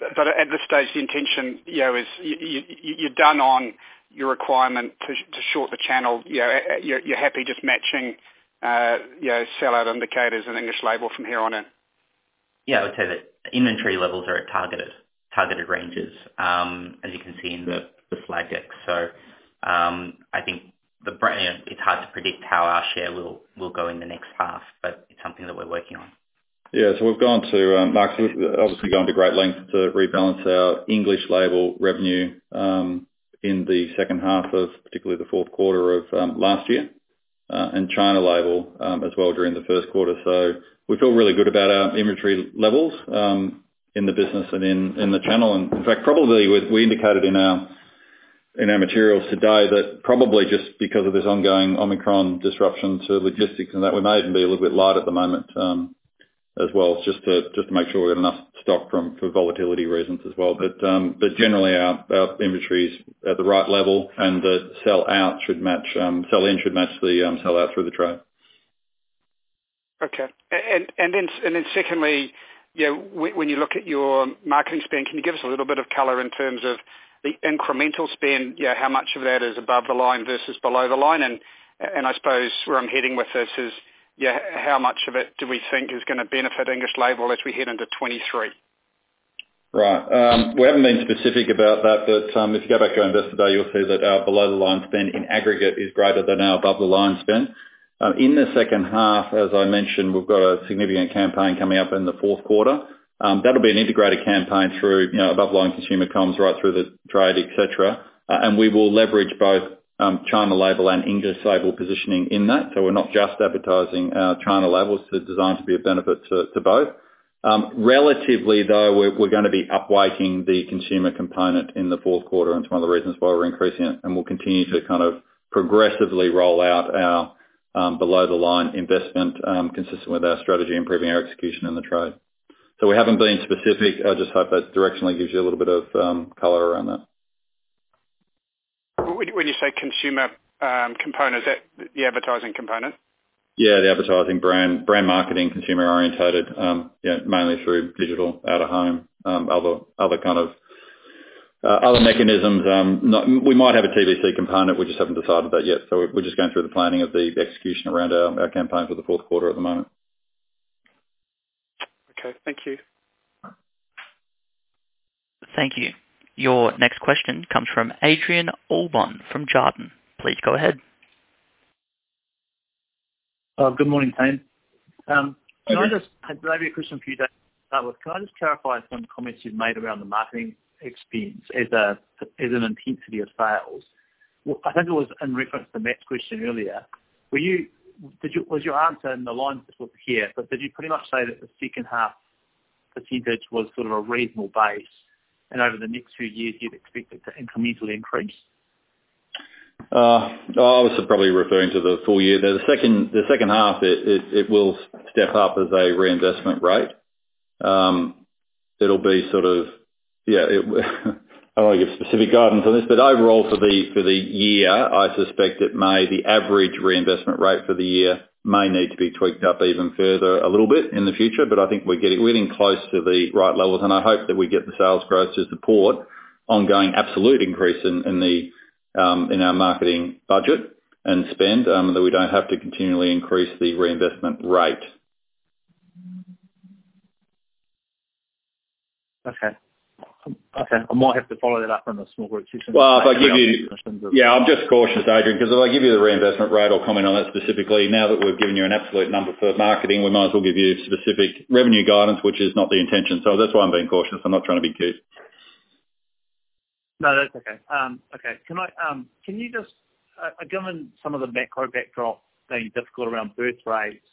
At this stage, the intention, you know, is you're done on your requirement to short the channel. You know, you're happy just matching, you know, sellout indicators and English label from here on in? Yeah, I would say the inventory levels are at targeted ranges, as you can see in the flag deck. I think, you know, it's hard to predict how our share will go in the next half, but it's something that we're working on. Yeah. We've gone to great lengths, Marcus, to rebalance our English label revenue in the second half of particularly the fourth quarter of last year, and China label as well during the first quarter. We feel really good about our inventory levels in the business and in the channel. In fact, probably we indicated in our materials today that probably just because of this ongoing Omicron disruption to logistics and that, we may even be a little bit light at the moment as well, just to make sure we got enough stock for volatility reasons as well. Generally our inventory is at the right level and the sell-out should match sell-in, sell-in should match the sell-out through the trade. Okay. Secondly, you know, when you look at your marketing spend, can you give us a little bit of color in terms of the incremental spend? You know, how much of that is above the line versus below the line? I suppose where I'm heading with this is, you know, how much of it do we think is gonna benefit English label as we head into 2023? Right. We haven't been specific about that. If you go back to our Investor Day, you'll see that our below-the-line spend in aggregate is greater than our above-the-line spend. In the second half, as I mentioned, we've got a significant campaign coming up in the fourth quarter. That'll be an integrated campaign through, you know, above-the-line consumer comms right through the trade, et cetera. We will leverage both China label and English label positioning in that. We're not just advertising our China labels, so it's designed to be of benefit to both. Relatively though, we're gonna be upweighting the consumer component in the fourth quarter. It's one of the reasons why we're increasing it, and we'll continue to kind of progressively roll out our below-the-line investment consistent with our strategy, improving our execution in the trade. We haven't been specific. I just hope that directionally gives you a little bit of color around that. When you say consumer component, is that the advertising component? Yeah, the advertising, brand marketing, consumer-oriented mainly through digital, out-of-home, other kinds of mechanisms. We might have a TVC component; we just haven't decided that yet. We're just going through the planning of the execution around our campaigns for the fourth quarter at the moment. Okay. Thank you. Thank you. Your next question comes from Adrian Allbon from Jarden. Please go ahead. Good morning, team. Maybe a question for you, David, to start with. Can I just clarify some comments you've made around the marketing expense as a, as an intensity of sales? I think it was in reference to Matt's question earlier. Was your answer along those lines, but did you pretty much say that the second half percentage was sort of a reasonable base, and over the next few years you'd expect it to incrementally increase? This is probably referring to the full year. The second half, it will step up as a reinvestment rate. It'll be sort of. I don't want to give specific guidance on this, but overall for the year, I suspect the average reinvestment rate for the year may need to be tweaked up even further a little bit in the future. But I think we're getting close to the right levels. I hope that we get the sales growth to support ongoing absolute increase in our marketing budget and spend that we don't have to continually increase the reinvestment rate. Okay. I might have to follow that up on a small group Yeah. I'm just cautious, Adrian, 'cause if I give you the reinvestment rate or comment on that specifically, now that we've given you an absolute number for marketing, we might as well give you specific revenue guidance, which is not the intention. That's why I'm being cautious. I'm not trying to be cute. No, that's okay. Okay. Can you just, given some of the macro backdrop being difficult around birth rates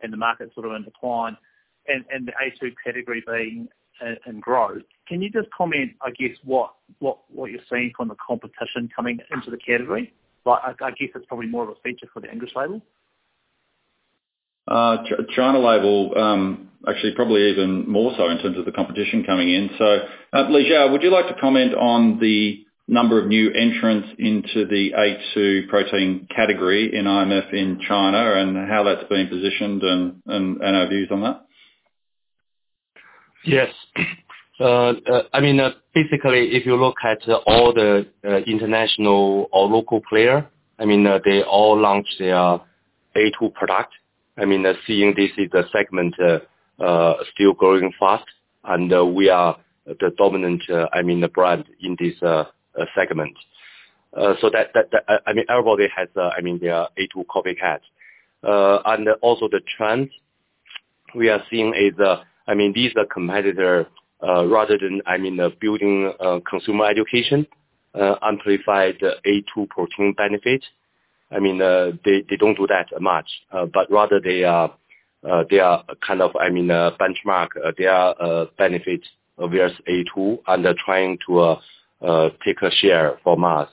and the market sort of in decline and the a2 category being in growth, can you just comment, I guess, what you're seeing from the competition coming into the category? Like, I guess it's probably more of a feature for the English label. China label, actually probably even more so in terms of the competition coming in. Xiao Li, would you like to comment on the number of new entrants into the A2 protein category in IMF in China and how that's being positioned and our views on that? Yes. I mean, basically, if you look at all the international or local player, they all launch their A2 product. I mean, seeing this is the segment still growing fast and we are the dominant brand in this segment. So that. I mean, everybody has their A2 copycat. And also the trends we are seeing is these are competitor rather than building consumer education amplified A2 protein benefits. I mean, they don't do that much, but rather they are kind of benchmark their benefits versus A2 and they're trying to take a share from us.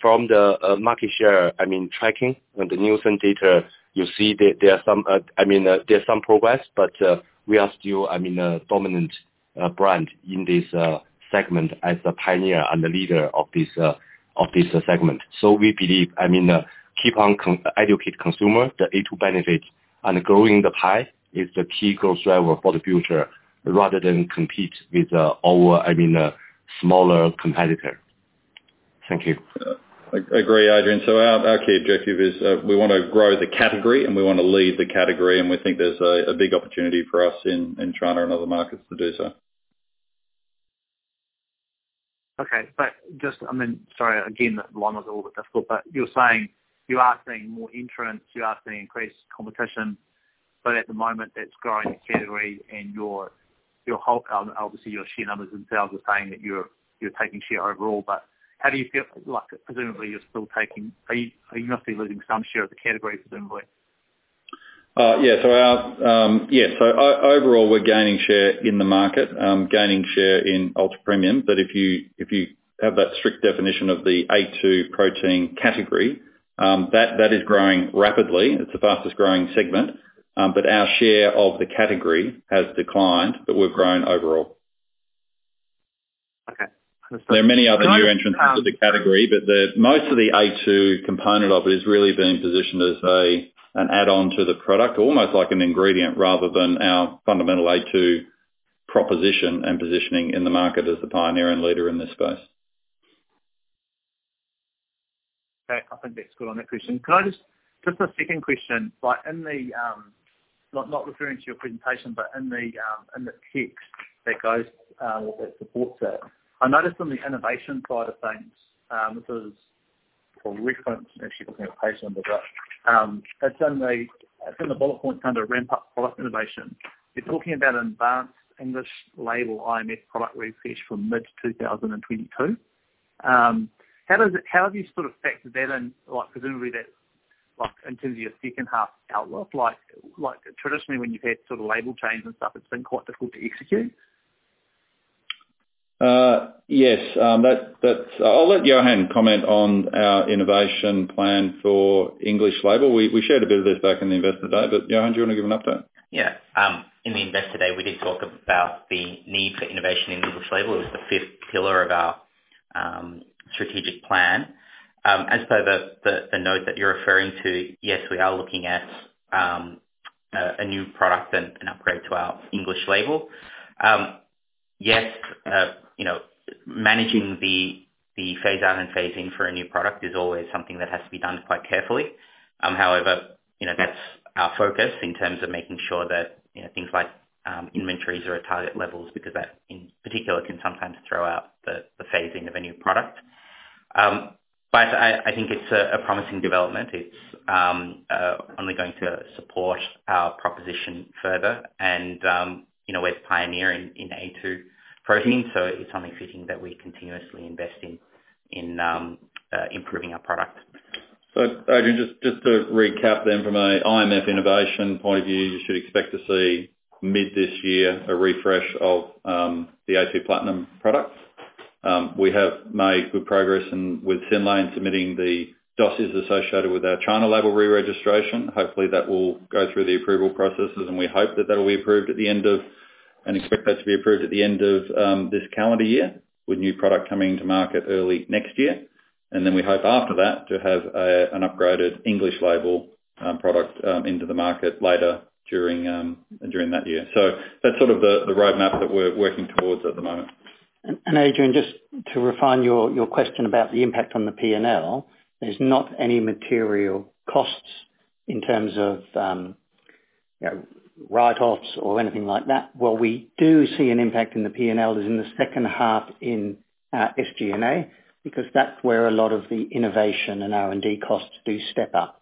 From the market share, I mean, tracking the Nielsen data, you see there are some, I mean, there's some progress, but we are still, I mean, a dominant brand in this segment as the pioneer and the leader of this segment. We believe, I mean, keep on educate consumer the A2 benefits and growing the pie is the key growth driver for the future rather than compete with our, I mean, smaller competitor. Thank you. Agree, Adrian. Our key objective is we wanna grow the category and we wanna lead the category, and we think there's a big opportunity for us in China and other markets to do so. Okay. Just, I mean, sorry, again, the line was a little bit difficult, but you're saying you are seeing more entrants, you are seeing increased competition, but at the moment that's growing the category and your whole part, obviously your share numbers and sales are saying that you're taking share overall. How do you feel? Like, presumably you're still taking. Are you not still losing some share of the category, presumably? Overall, we're gaining share in the market, gaining share in ultra premium. If you have that strict definition of the A2 protein category, that is growing rapidly. It's the fastest growing segment. Our share of the category has declined, but we've grown overall. Okay. There are many other new entrants to the category, but most of the A2 component of it is really being positioned as an add-on to the product, almost like an ingredient rather than our fundamental A2 proposition and positioning in the market as the pioneer and leader in this space. Okay. I think that's good on that question. Can I just a second question. Like, not referring to your presentation, but in the text that goes or that supports that, I noticed on the innovation side of things, this is for reference, I'm actually looking at page numbers up. It's in the bullet point under ramp-up product innovation. You're talking about advanced infant label IMF product refresh from mid-2022. How have you sort of factored that in? Like, presumably that's in terms of your second half outlook, like traditionally when you've had sort of label change and stuff, it's been quite difficult to execute. Yes. I'll let Yohan comment on our innovation plan for English label. We shared a bit of this back in the Investor Day, but Yohan, do you wanna give an update? Yeah. In the Investor Day, we did talk about the need for innovation in English label. It was the fifth pillar of our strategic plan. As per the note that you're referring to, yes, we are looking at a new product and an upgrade to our English label. Yes, you know, managing the phase out and phase in for a new product is always something that has to be done quite carefully. However, you know, that's our focus in terms of making sure that, you know, things like inventories are at target levels because that in particular can sometimes throw out the phasing of a new product. I think it's a promising development. It's only going to support our proposition further and, you know, we're pioneering in A2 protein, so it's only fitting that we continuously invest in improving our product. Adrian, just to recap then from an IMF innovation point of view, you should expect to see mid this year a refresh of the a2 Platinum products. We have made good progress with Synlait submitting the dossiers associated with our China label re-registration. Hopefully, that will go through the approval processes, and we hope that that'll be approved at the end of this calendar year, with new product coming to market early next year. Then we hope after that to have an upgraded English label product into the market later during that year. That's sort of the roadmap that we're working towards at the moment. Adrian, just to refine your question about the impact on the P&L. There's not any material costs in terms of, you know, write-offs or anything like that. Where we do see an impact in the P&L is in the second half in SG&A, because that's where a lot of the innovation and R&D costs do step up.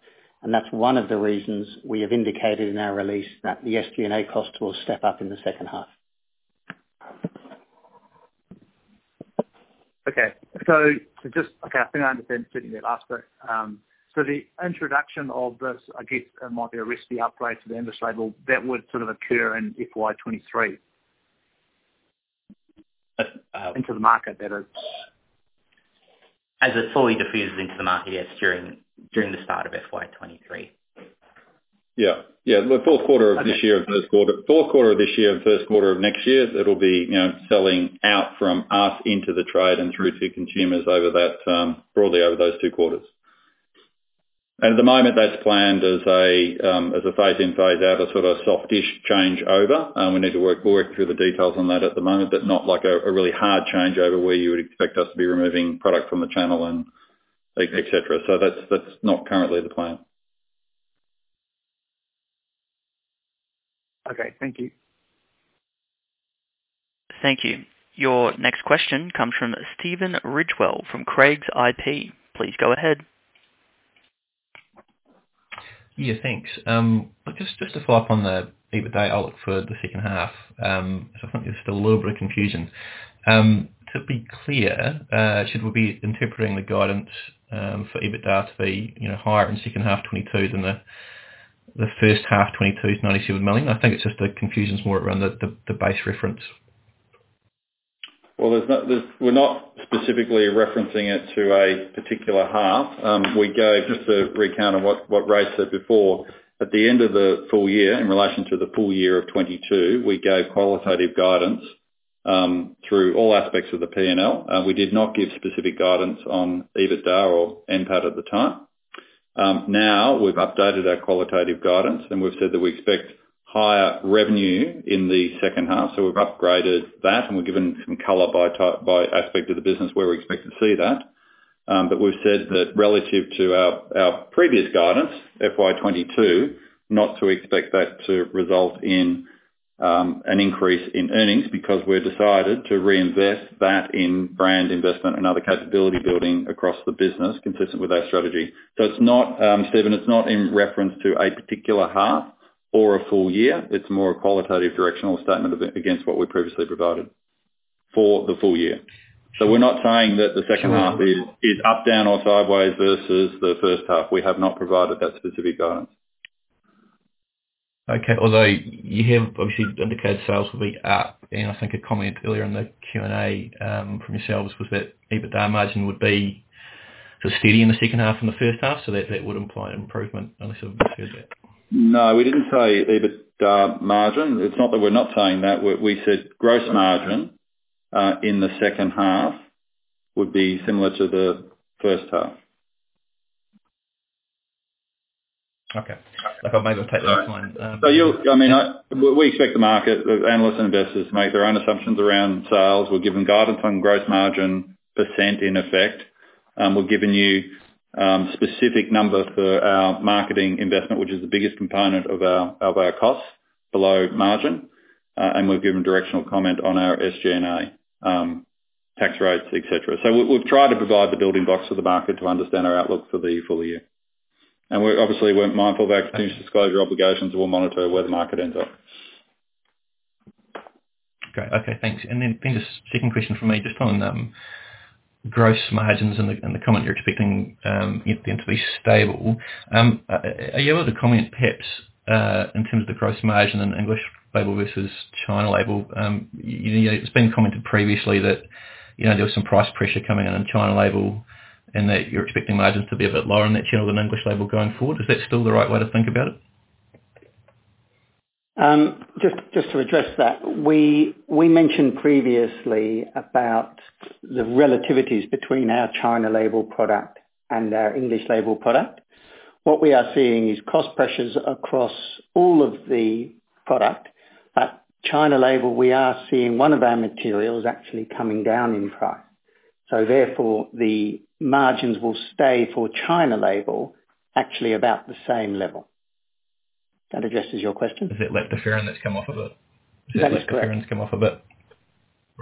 That's one of the reasons we have indicated in our release that the SG&A cost will step up in the second half. I think I understand. Certainly I'll ask, but the introduction of this, I guess, might be a risky upgrade to the English label that would sort of occur in FY 2023. Uh- Into the market better. As it fully diffuses into the market, yes, during the start of FY 2023. Yeah, yeah. The fourth quarter. Okay. Fourth quarter of this year and first quarter of next year, it'll be, you know, selling out from us into the trade and through to consumers over that, broadly over those two quarters. At the moment that's planned as a phase in, phase out, a sort of soft-ish change over. We need to work through the details on that at the moment, but not like a really hard change over where you would expect us to be removing product from the channel and et cetera. That's not currently the plan. Okay. Thank you. Thank you. Your next question comes from Stephen Ridgewell from Craigs Investment Partners. Please go ahead. Yeah, thanks. Just to follow up on the EBITDA outlook for the second half, so I think there's just a little bit of confusion. To be clear, should we be interpreting the guidance for EBITDA to be, you know, higher in second half 2022 than the first half 2022's 97 million? I think it's just the confusion's more around the base reference. We're not specifically referencing it to a particular half. We gave, just to recap on what Race said before. At the end of the full year, in relation to the full year of 2022, we gave qualitative guidance through all aspects of the P&L, and we did not give specific guidance on EBITDA or NPAT at the time. Now we've updated our qualitative guidance, and we've said that we expect higher revenue in the second half, so we've upgraded that and we've given some color by aspect of the business where we expect to see that. We've said that relative to our previous guidance, FY 2022, not to expect that to result in an increase in earnings because we've decided to reinvest that in brand investment and other capability building across the business consistent with our strategy. It's not, Stephen, it's not in reference to a particular half or a full year. It's more a qualitative directional statement against what we previously provided for the full year. We're not saying that the second half is up, down or sideways versus the first half. We have not provided that specific guidance. Although you have obviously indicated sales will be up, and I think a comment earlier in the Q&A from yourselves was that EBITDA margin would be sort of steady in the second half and the first half. That would imply an improvement unless I've misheard that. No, we didn't say EBITDA margin. It's not that we're not saying that. We said gross margin in the second half would be similar to the first half. Okay. Look, I'll maybe take that as my. We expect the market, the analysts and investors make their own assumptions around sales. We're giving guidance on growth margin percent in effect. We've given you specific number for our marketing investment, which is the biggest component of our costs below margin. We've given directional comment on our SG&A, tax rates, et cetera. We've tried to provide the building blocks for the market to understand our outlook for the full year. We're obviously mindful of our continuous disclosure obligations. We'll monitor where the market ends up. Great. Okay, thanks. Just second question from me, just on gross margins and the comment you're expecting them to be stable. Are you able to comment perhaps in terms of the gross margin in English label versus China label? You know, it's been commented previously that, you know, there was some price pressure coming in on China label and that you're expecting margins to be a bit lower in that channel than English label going forward. Is that still the right way to think about it? Just to address that. We mentioned previously about the relativities between our China label product and our English label product. What we are seeing is cost pressures across all of the product, but China label we are seeing one of our materials actually coming down in price. So therefore, the margins will stay for China label actually about the same level. That addresses your question? Is it lactoferrin that's come off a bit? That is correct. Is it lactoferrin that's come off a bit?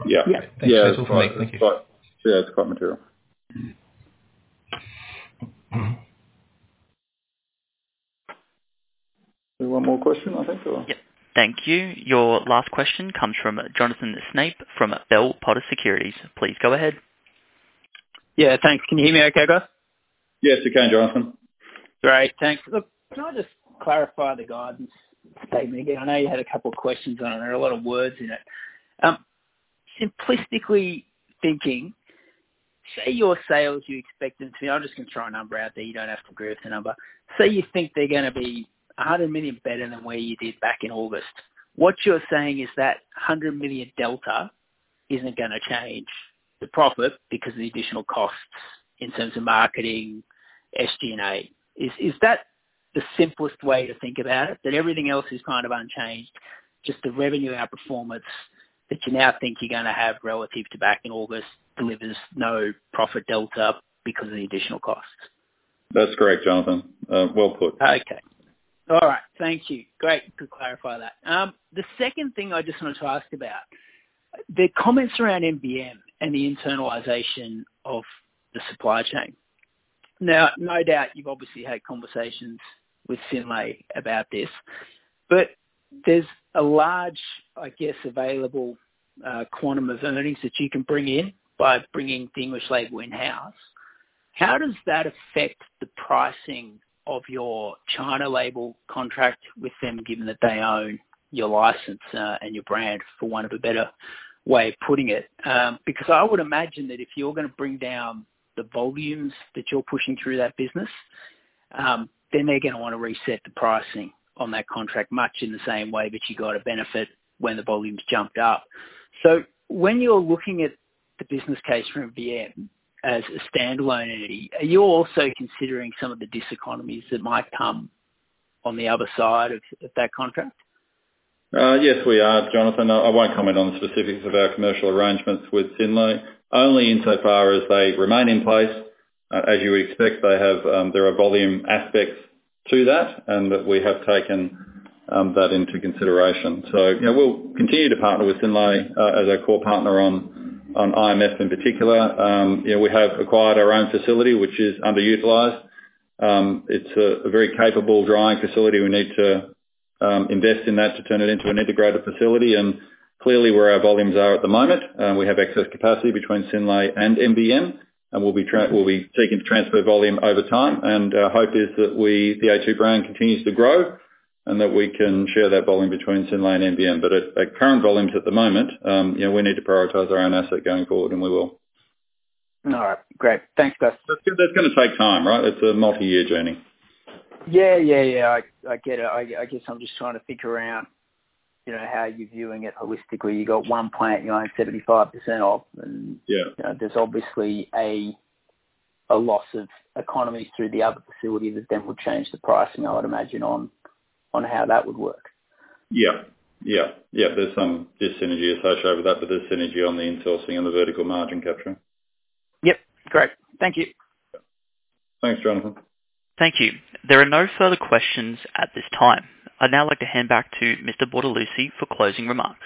Yeah. Yeah. Thanks. That's all from me. Thank you. Yeah, it's quite material. One more question, I think, or? Yep. Thank you. Your last question comes from Jonathan Snape from Bell Potter Securities. Please go ahead. Yeah, thanks. Can you hear me okay, guys? Yes, we can, Jonathan. Great. Thanks. Look, can I just clarify the guidance statement here? I know you had a couple of questions on it. There are a lot of words in it. Simplistically thinking, say your sales you expected to... I'm just gonna throw a number out there. You don't have to agree with the number. Say you think they're gonna be 100 million better than where you did back in August. What you're saying is that 100 million delta isn't gonna change the profit because of the additional costs in terms of marketing, SG&A. Is that the simplest way to think about it? That everything else is kind of unchanged, just the revenue outperformance that you now think you're gonna have relative to back in August delivers no profit delta because of the additional costs. That's correct, Jonathan. Well put. Okay. All right. Thank you. Great. Good to clarify that. The second thing I just wanted to ask about, the comments around MVM and the internalization of the supply chain. Now, no doubt you've obviously had conversations with Synlait about this, but there's a large, I guess, available quantum of earnings that you can bring in by bringing the English label in-house. How does that affect the pricing of your China label contract with them, given that they own your license and your brand, for want of a better way of putting it? Because I would imagine that if you're gonna bring down the volumes that you're pushing through that business, then they're gonna wanna reset the pricing on that contract much in the same way that you got a benefit when the volumes jumped up. When you're looking at the business case for MVM as a standalone entity, are you also considering some of the diseconomies that might come on the other side of that contract? Yes, we are, Jonathan. I won't comment on the specifics of our commercial arrangements with Synlait. Only insofar as they remain in place, as you would expect, they have, there are volume aspects to that, and that we have taken, that into consideration. You know, we'll continue to partner with Synlait, as our core partner on IMF in particular. You know, we have acquired our own facility, which is underutilized. It's a very capable drying facility. We need to invest in that to turn it into an integrated facility. Clearly where our volumes are at the moment, we have excess capacity between Synlait and MVM, and we'll be seeking to transfer volume over time. Our hope is that we, the a2 brand continues to grow, and that we can share that volume between Synlait and MVM. At current volumes at the moment, you know, we need to prioritize our own asset going forward, and we will. All right. Great. Thanks, guys. That's gonna take time, right? It's a multi-year journey. Yeah. I get it. I guess I'm just trying to figure out, you know, how you're viewing it holistically. You got one plant you own 75% of, and- Yeah. You know, there's obviously a loss of economies through the other facility that then would change the pricing, I would imagine, on how that would work. Yeah. Yep. There's some dyssynergy associated with that, but there's synergy on the insourcing and the vertical margin capture. Yep. Great. Thank you. Thanks, Jonathan. Thank you. There are no further questions at this time. I'd now like to hand back to Mr. Bortolussi for closing remarks.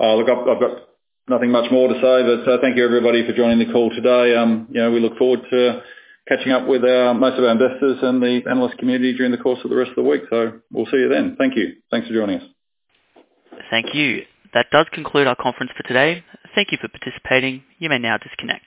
Look, I've got nothing much more to say, but thank you, everybody, for joining the call today. You know, we look forward to catching up with most of our investors and the analyst community during the course of the rest of the week. We'll see you then. Thank you. Thanks for joining us. Thank you. That does conclude our conference for today. Thank you for participating. You may now disconnect.